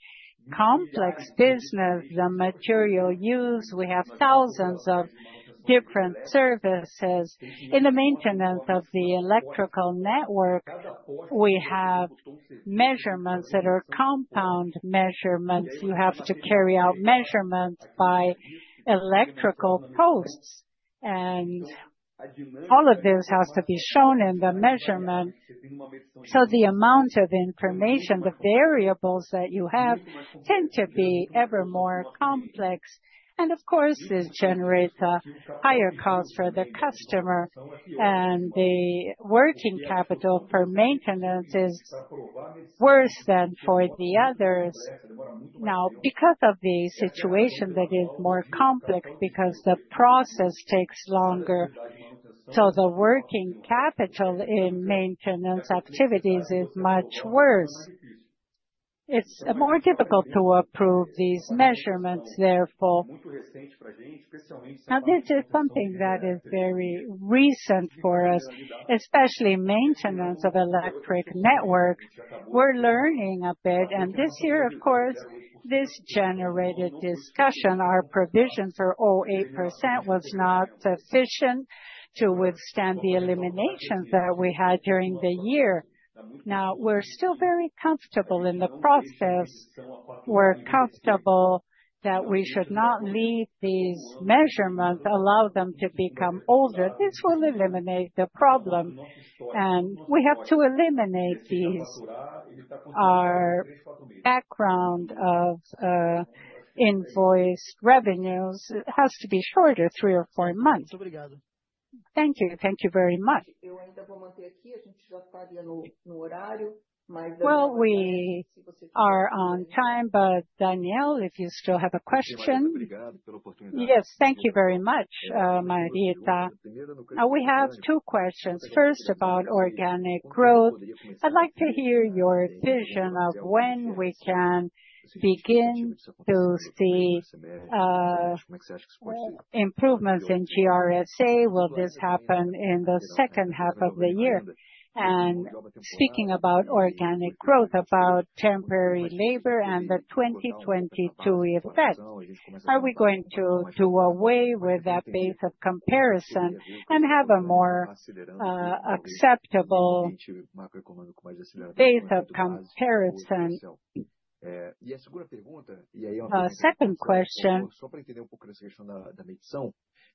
complex business, the material used. We have thousands of different services. In the maintenance of the electrical network, we have measurements that are compound measurements. You have to carry out measurements by electrical posts, and all of this has to be shown in the measurement, so the amount of information, the variables that you have tend to be ever more complex, and of course, this generates a higher cost for the customer, and the working capital for maintenance is worse than for the others, now because of the situation that is more complex, because the process takes longer, so the working capital in maintenance activities is much worse. It's more difficult to approve these measurements, therefore, now this is something that is very recent for us, especially maintenance of electric networks. We're learning a bit, and this year, of course, this generated discussion, our provisions for 0.8% was not sufficient to withstand the eliminations that we had during the year, now we're still very comfortable in the process. We're comfortable that we should not leave these measurements, allow them to become older. This will eliminate the problem, and we have to eliminate these. Our background of invoice revenues has to be shorter, three or four months. Thank you. Thank you very much. Well, we are on time, but Daniel, if you still have a question. Yes, thank you very much, Maria. We have two questions. First, about organic growth. I'd like to hear your vision of when we can begin to see improvements in GRSA. Will this happen in the second half of the year? Speaking about organic growth, about temporary labor and the 2022 effect, are we going to do away with that base of comparison and have a more acceptable base of comparison? Second question.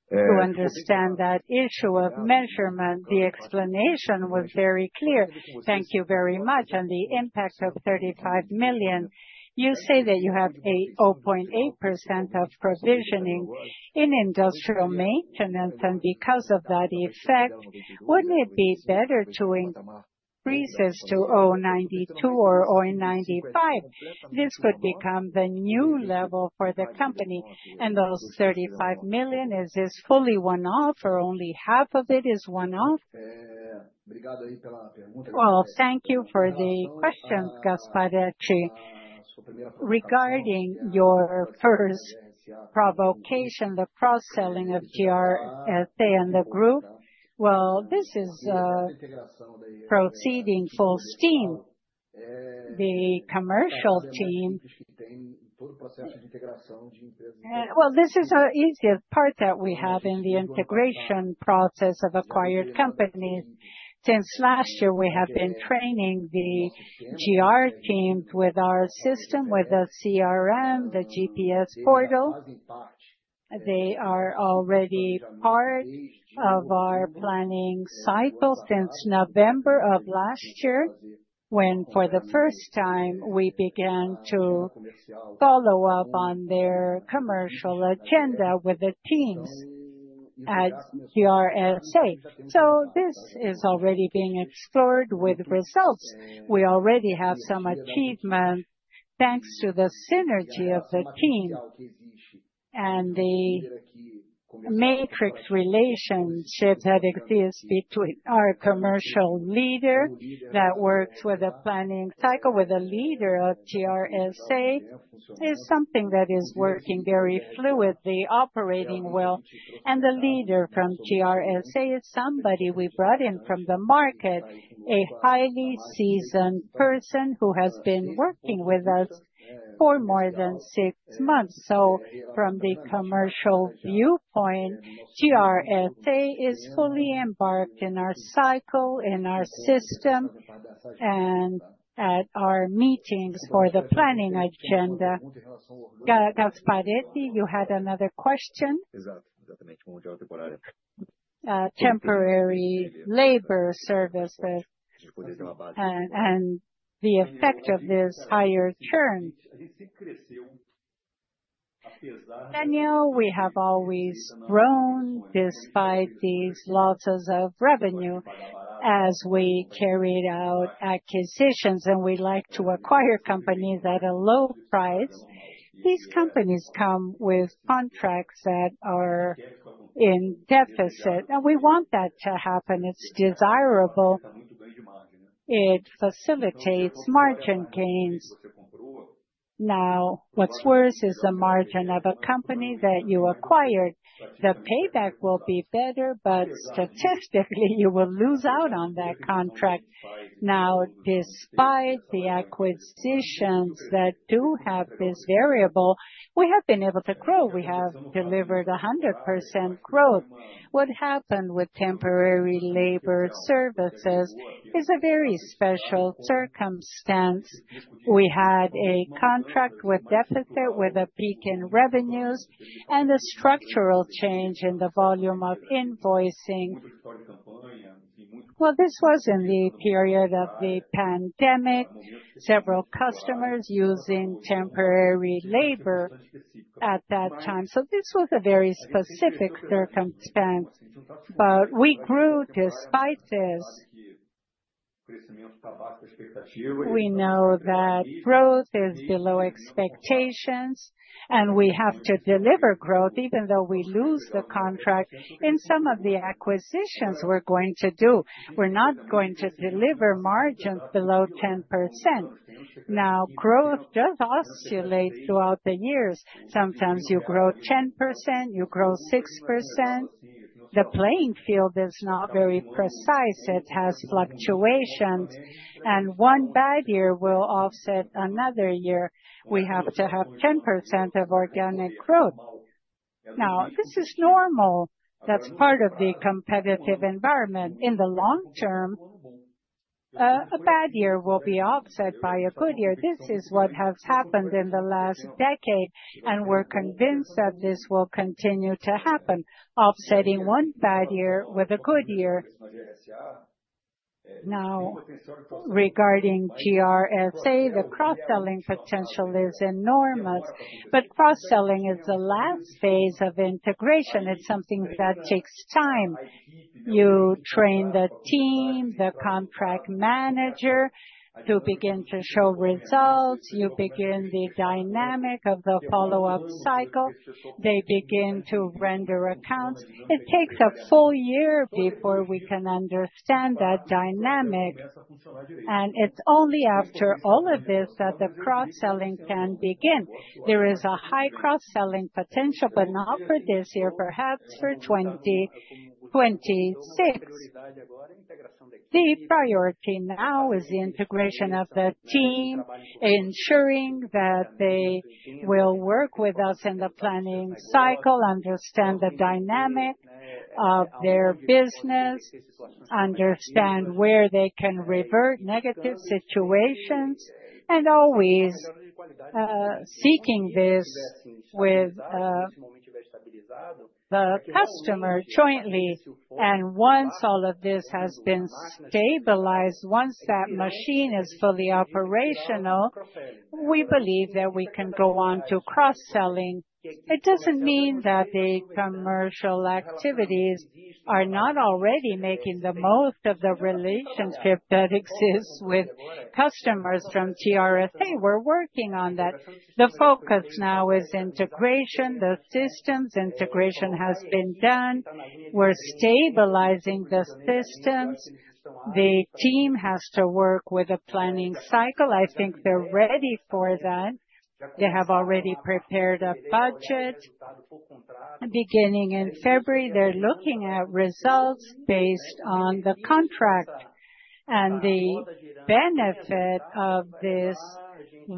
To understand that issue of measurement, the explanation was very clear. Thank you very much. And the impact of 35 million. You say that you have a 0.8% of provisioning in industrial maintenance. And because of that effect, wouldn't it be better to increase this to 0.92% or 0.95%? This could become the new level for the company. And those 35 million, is this fully one-off or only half of it is one-off? Well, thank you for the questions, Gasparete. Regarding your first provocation, the cross-selling of GRSA and the group, well, this is proceeding full steam. The commercial team. Well, this is the easiest part that we have in the integration process of acquired companies. Since last year, we have been training the GR teams with our system, with the CRM, the GPS Portal. They are already part of our planning cycle since November of last year, when for the first time we began to follow up on their commercial agenda with the teams at GRSA. So this is already being explored with results. We already have some achievements thanks to the synergy of the team. And the matrix relationship that exists between our commercial leader that works with the planning cycle with the leader of GRSA is something that is working very fluidly, operating well. And the leader from GRSA is somebody we brought in from the market, a highly seasoned person who has been working with us for more than six months. So from the commercial viewpoint, GRSA is fully embarked in our cycle, in our system, and at our meetings for the planning agenda. Gasparete, you had another question. Temporary labor services. And the effect of this higher turn. Daniel, we have always grown despite these losses of revenue. As we carried out acquisitions and we like to acquire companies at a low price, these companies come with contracts that are in deficit, and we want that to happen. It's desirable. It facilitates margin gains. Now, what's worse is the margin of a company that you acquired. The payback will be better, but statistically, you will lose out on that contract. Now, despite the acquisitions that do have this variable, we have been able to grow. We have delivered 100% growth. What happened with temporary labor services is a very special circumstance. We had a contract with deficit, with a peak in revenues, and a structural change in the volume of invoicing. This was in the period of the pandemic, several customers using temporary labor at that time. This was a very specific circumstance. But we grew despite this. We know that growth is below expectations, and we have to deliver growth even though we lose the contract in some of the acquisitions we're going to do. We're not going to deliver margins below 10%. Now, growth does oscillate throughout the years. Sometimes you grow 10%, you grow 6%. The playing field is not very precise. It has fluctuations, and one bad year will offset another year. We have to have 10% of organic growth. Now, this is normal. That's part of the competitive environment. In the long term, a bad year will be offset by a good year. This is what has happened in the last decade, and we're convinced that this will continue to happen, offsetting one bad year with a good year. Now, regarding GRSA, the cross-selling potential is enormous, but cross-selling is the last phase of integration. It's something that takes time. You train the team, the contract manager to begin to show results. You begin the dynamic of the follow-up cycle. They begin to render accounts. It takes a full year before we can understand that dynamic, and it's only after all of this that the cross-selling can begin. There is a high cross-selling potential, but not for this year, perhaps for 2026. The priority now is the integration of the team, ensuring that they will work with us in the planning cycle, understand the dynamic of their business, understand where they can revert negative situations, and always seeking this with the customer jointly, and once all of this has been stabilized, once that machine is fully operational, we believe that we can go on to cross-selling. It doesn't mean that the commercial activities are not already making the most of the relationship that exists with customers from GRSA. We're working on that. The focus now is integration, the systems. Integration has been done. We're stabilizing the systems. The team has to work with the planning cycle. I think they're ready for that. They have already prepared a budget. Beginning in February, they're looking at results based on the contract, and the benefit of this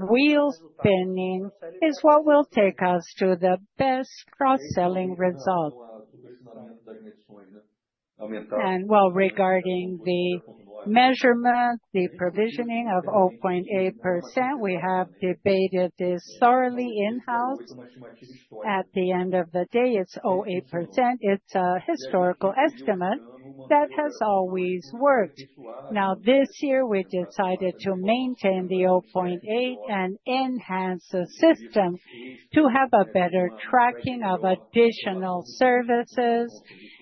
wheel spinning is what will take us to the best cross-selling results, and well, regarding the measurement, the provisioning of 0.8%, we have debated this thoroughly in-house. At the end of the day, it's 0.8%. It's a historical estimate that has always worked. Now, this year, we decided to maintain the 0.8 and enhance the system to have a better tracking of additional services,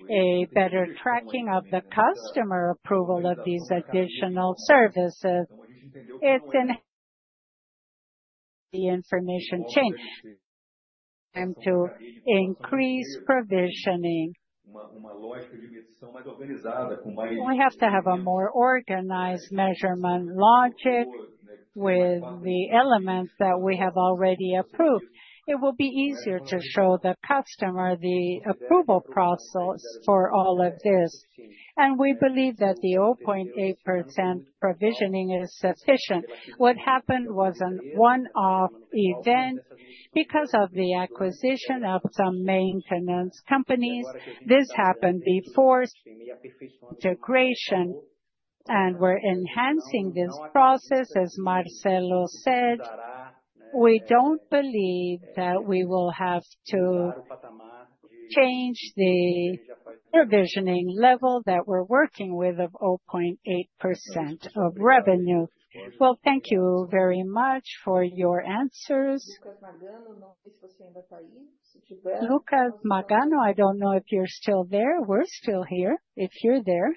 a better tracking of the customer approval of these additional services. It's an information chain to increase provisioning. We have to have a more organized measurement logic with the elements that we have already approved. It will be easier to show the customer the approval process for all of this. And we believe that the 0.8% provisioning is sufficient. What happened was a one-off event because of the acquisition of some maintenance companies. This happened before integration. And we're enhancing this process, as Marcelo said. We don't believe that we will have to change the provisioning level that we're working with of 0.8% of revenue. Thank you very much for your answers. Lucas Nagano, I don't know if you're still there. We're still here. If you're there.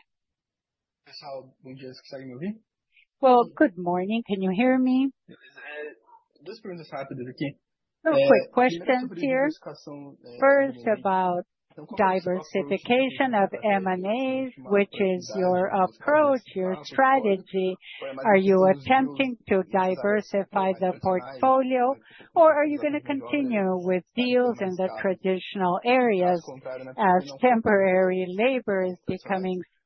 Good morning. Can you hear me? Quick question here. First, about diversification of M&As, which is your approach, your strategy. Are you attempting to diversify the portfolio, or are you going to continue with deals in the traditional areas as temporary labor is becoming scarcer?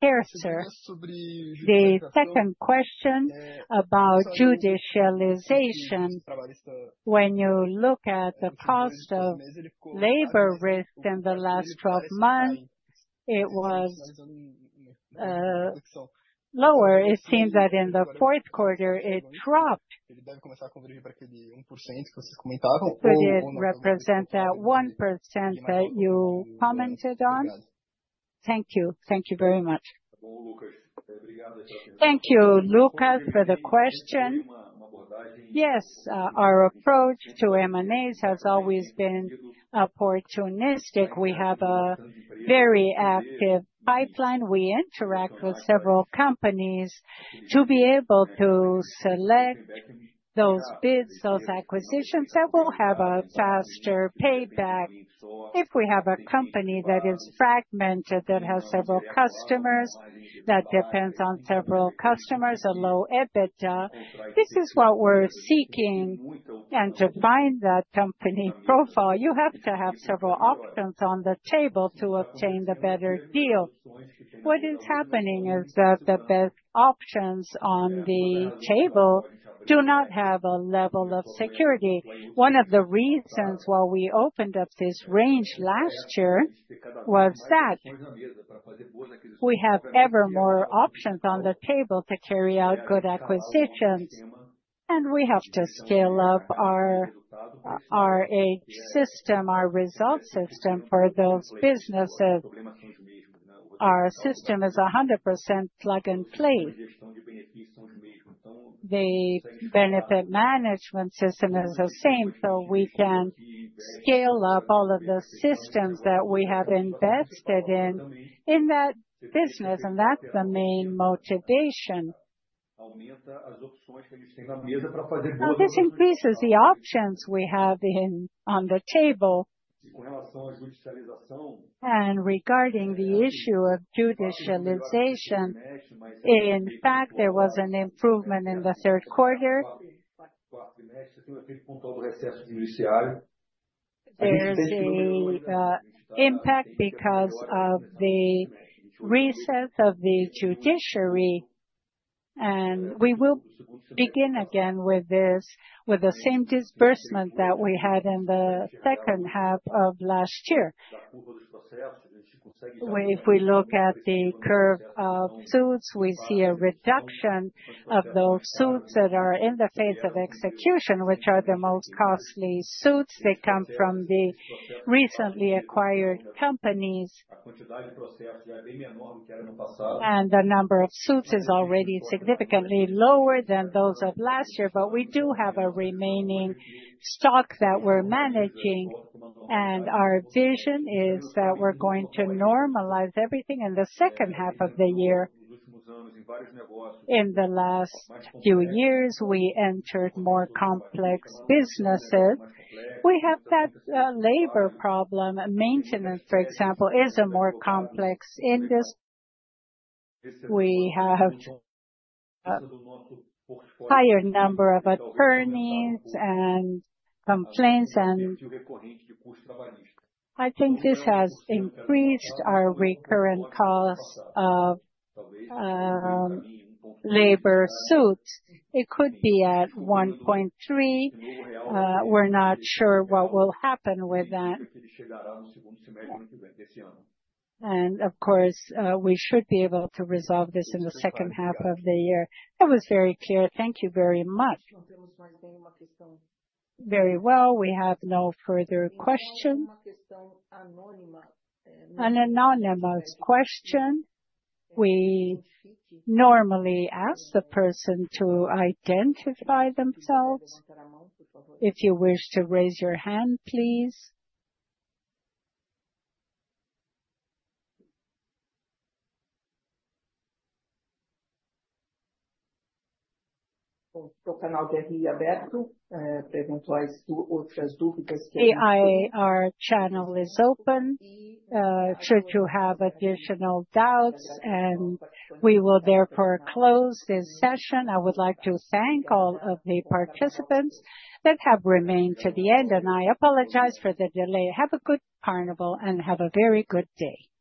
The second question about judicialization. When you look at the cost of labor risk in the last 12 months, it was lower. It seems that in the fourth quarter, it dropped. So it did represent that 1% that you commented on. Thank you. Thank you very much. Thank you, Lucas, for the question. Yes, our approach to M&As has always been opportunistic. We have a very active pipeline. We interact with several companies to be able to select those bids, those acquisitions that will have a faster payback. If we have a company that is fragmented, that has several customers, that depends on several customers, a low EBITDA, this is what we're seeking, and to find that company profile, you have to have several options on the table to obtain the better deal. What is happening is that the best options on the table do not have a level of security. One of the reasons why we opened up this range last year was that we have ever more options on the table to carry out good acquisitions, and we have to scale up our HR system, our results system for those businesses. Our system is 100% plug and play. The benefit management system is the same, so we can scale up all of the systems that we have invested in in that business, and that's the main motivation. This increases the options we have on the table. And regarding the issue of judicialization, in fact, there was an improvement in the third quarter. There's a significant impact because of the recess of the Judiciary. And we will begin again with this, with the same disbursement that we had in the second half of last year. If we look at the curve of suits, we see a reduction of those suits that are in the phase of execution, which are the most costly suits. They come from the recently acquired companies. And the number of suits is already significantly lower than those of last year. But we do have a remaining stock that we're managing. And our vision is that we're going to normalize everything in the second half of the year. In the last few years, we entered more complex businesses. We have that labor problem. Maintenance, for example, is a more complex industry. We have a higher number of attorneys and complaints, and I think this has increased our recurrent cost of labor suits. It could be at 1.3. We're not sure what will happen with that, and of course, we should be able to resolve this in the second half of the year. That was very clear. Thank you very much. Very well. We have no further questions. An anonymous question. We normally ask the person to identify themselves. If you wish to raise your hand, please. Our channel is open. Should you have additional doubts, we will therefore close this session. I would like to thank all of the participants that have remained to the end, and I apologize for the delay. Have a good Carnival and have a very good day.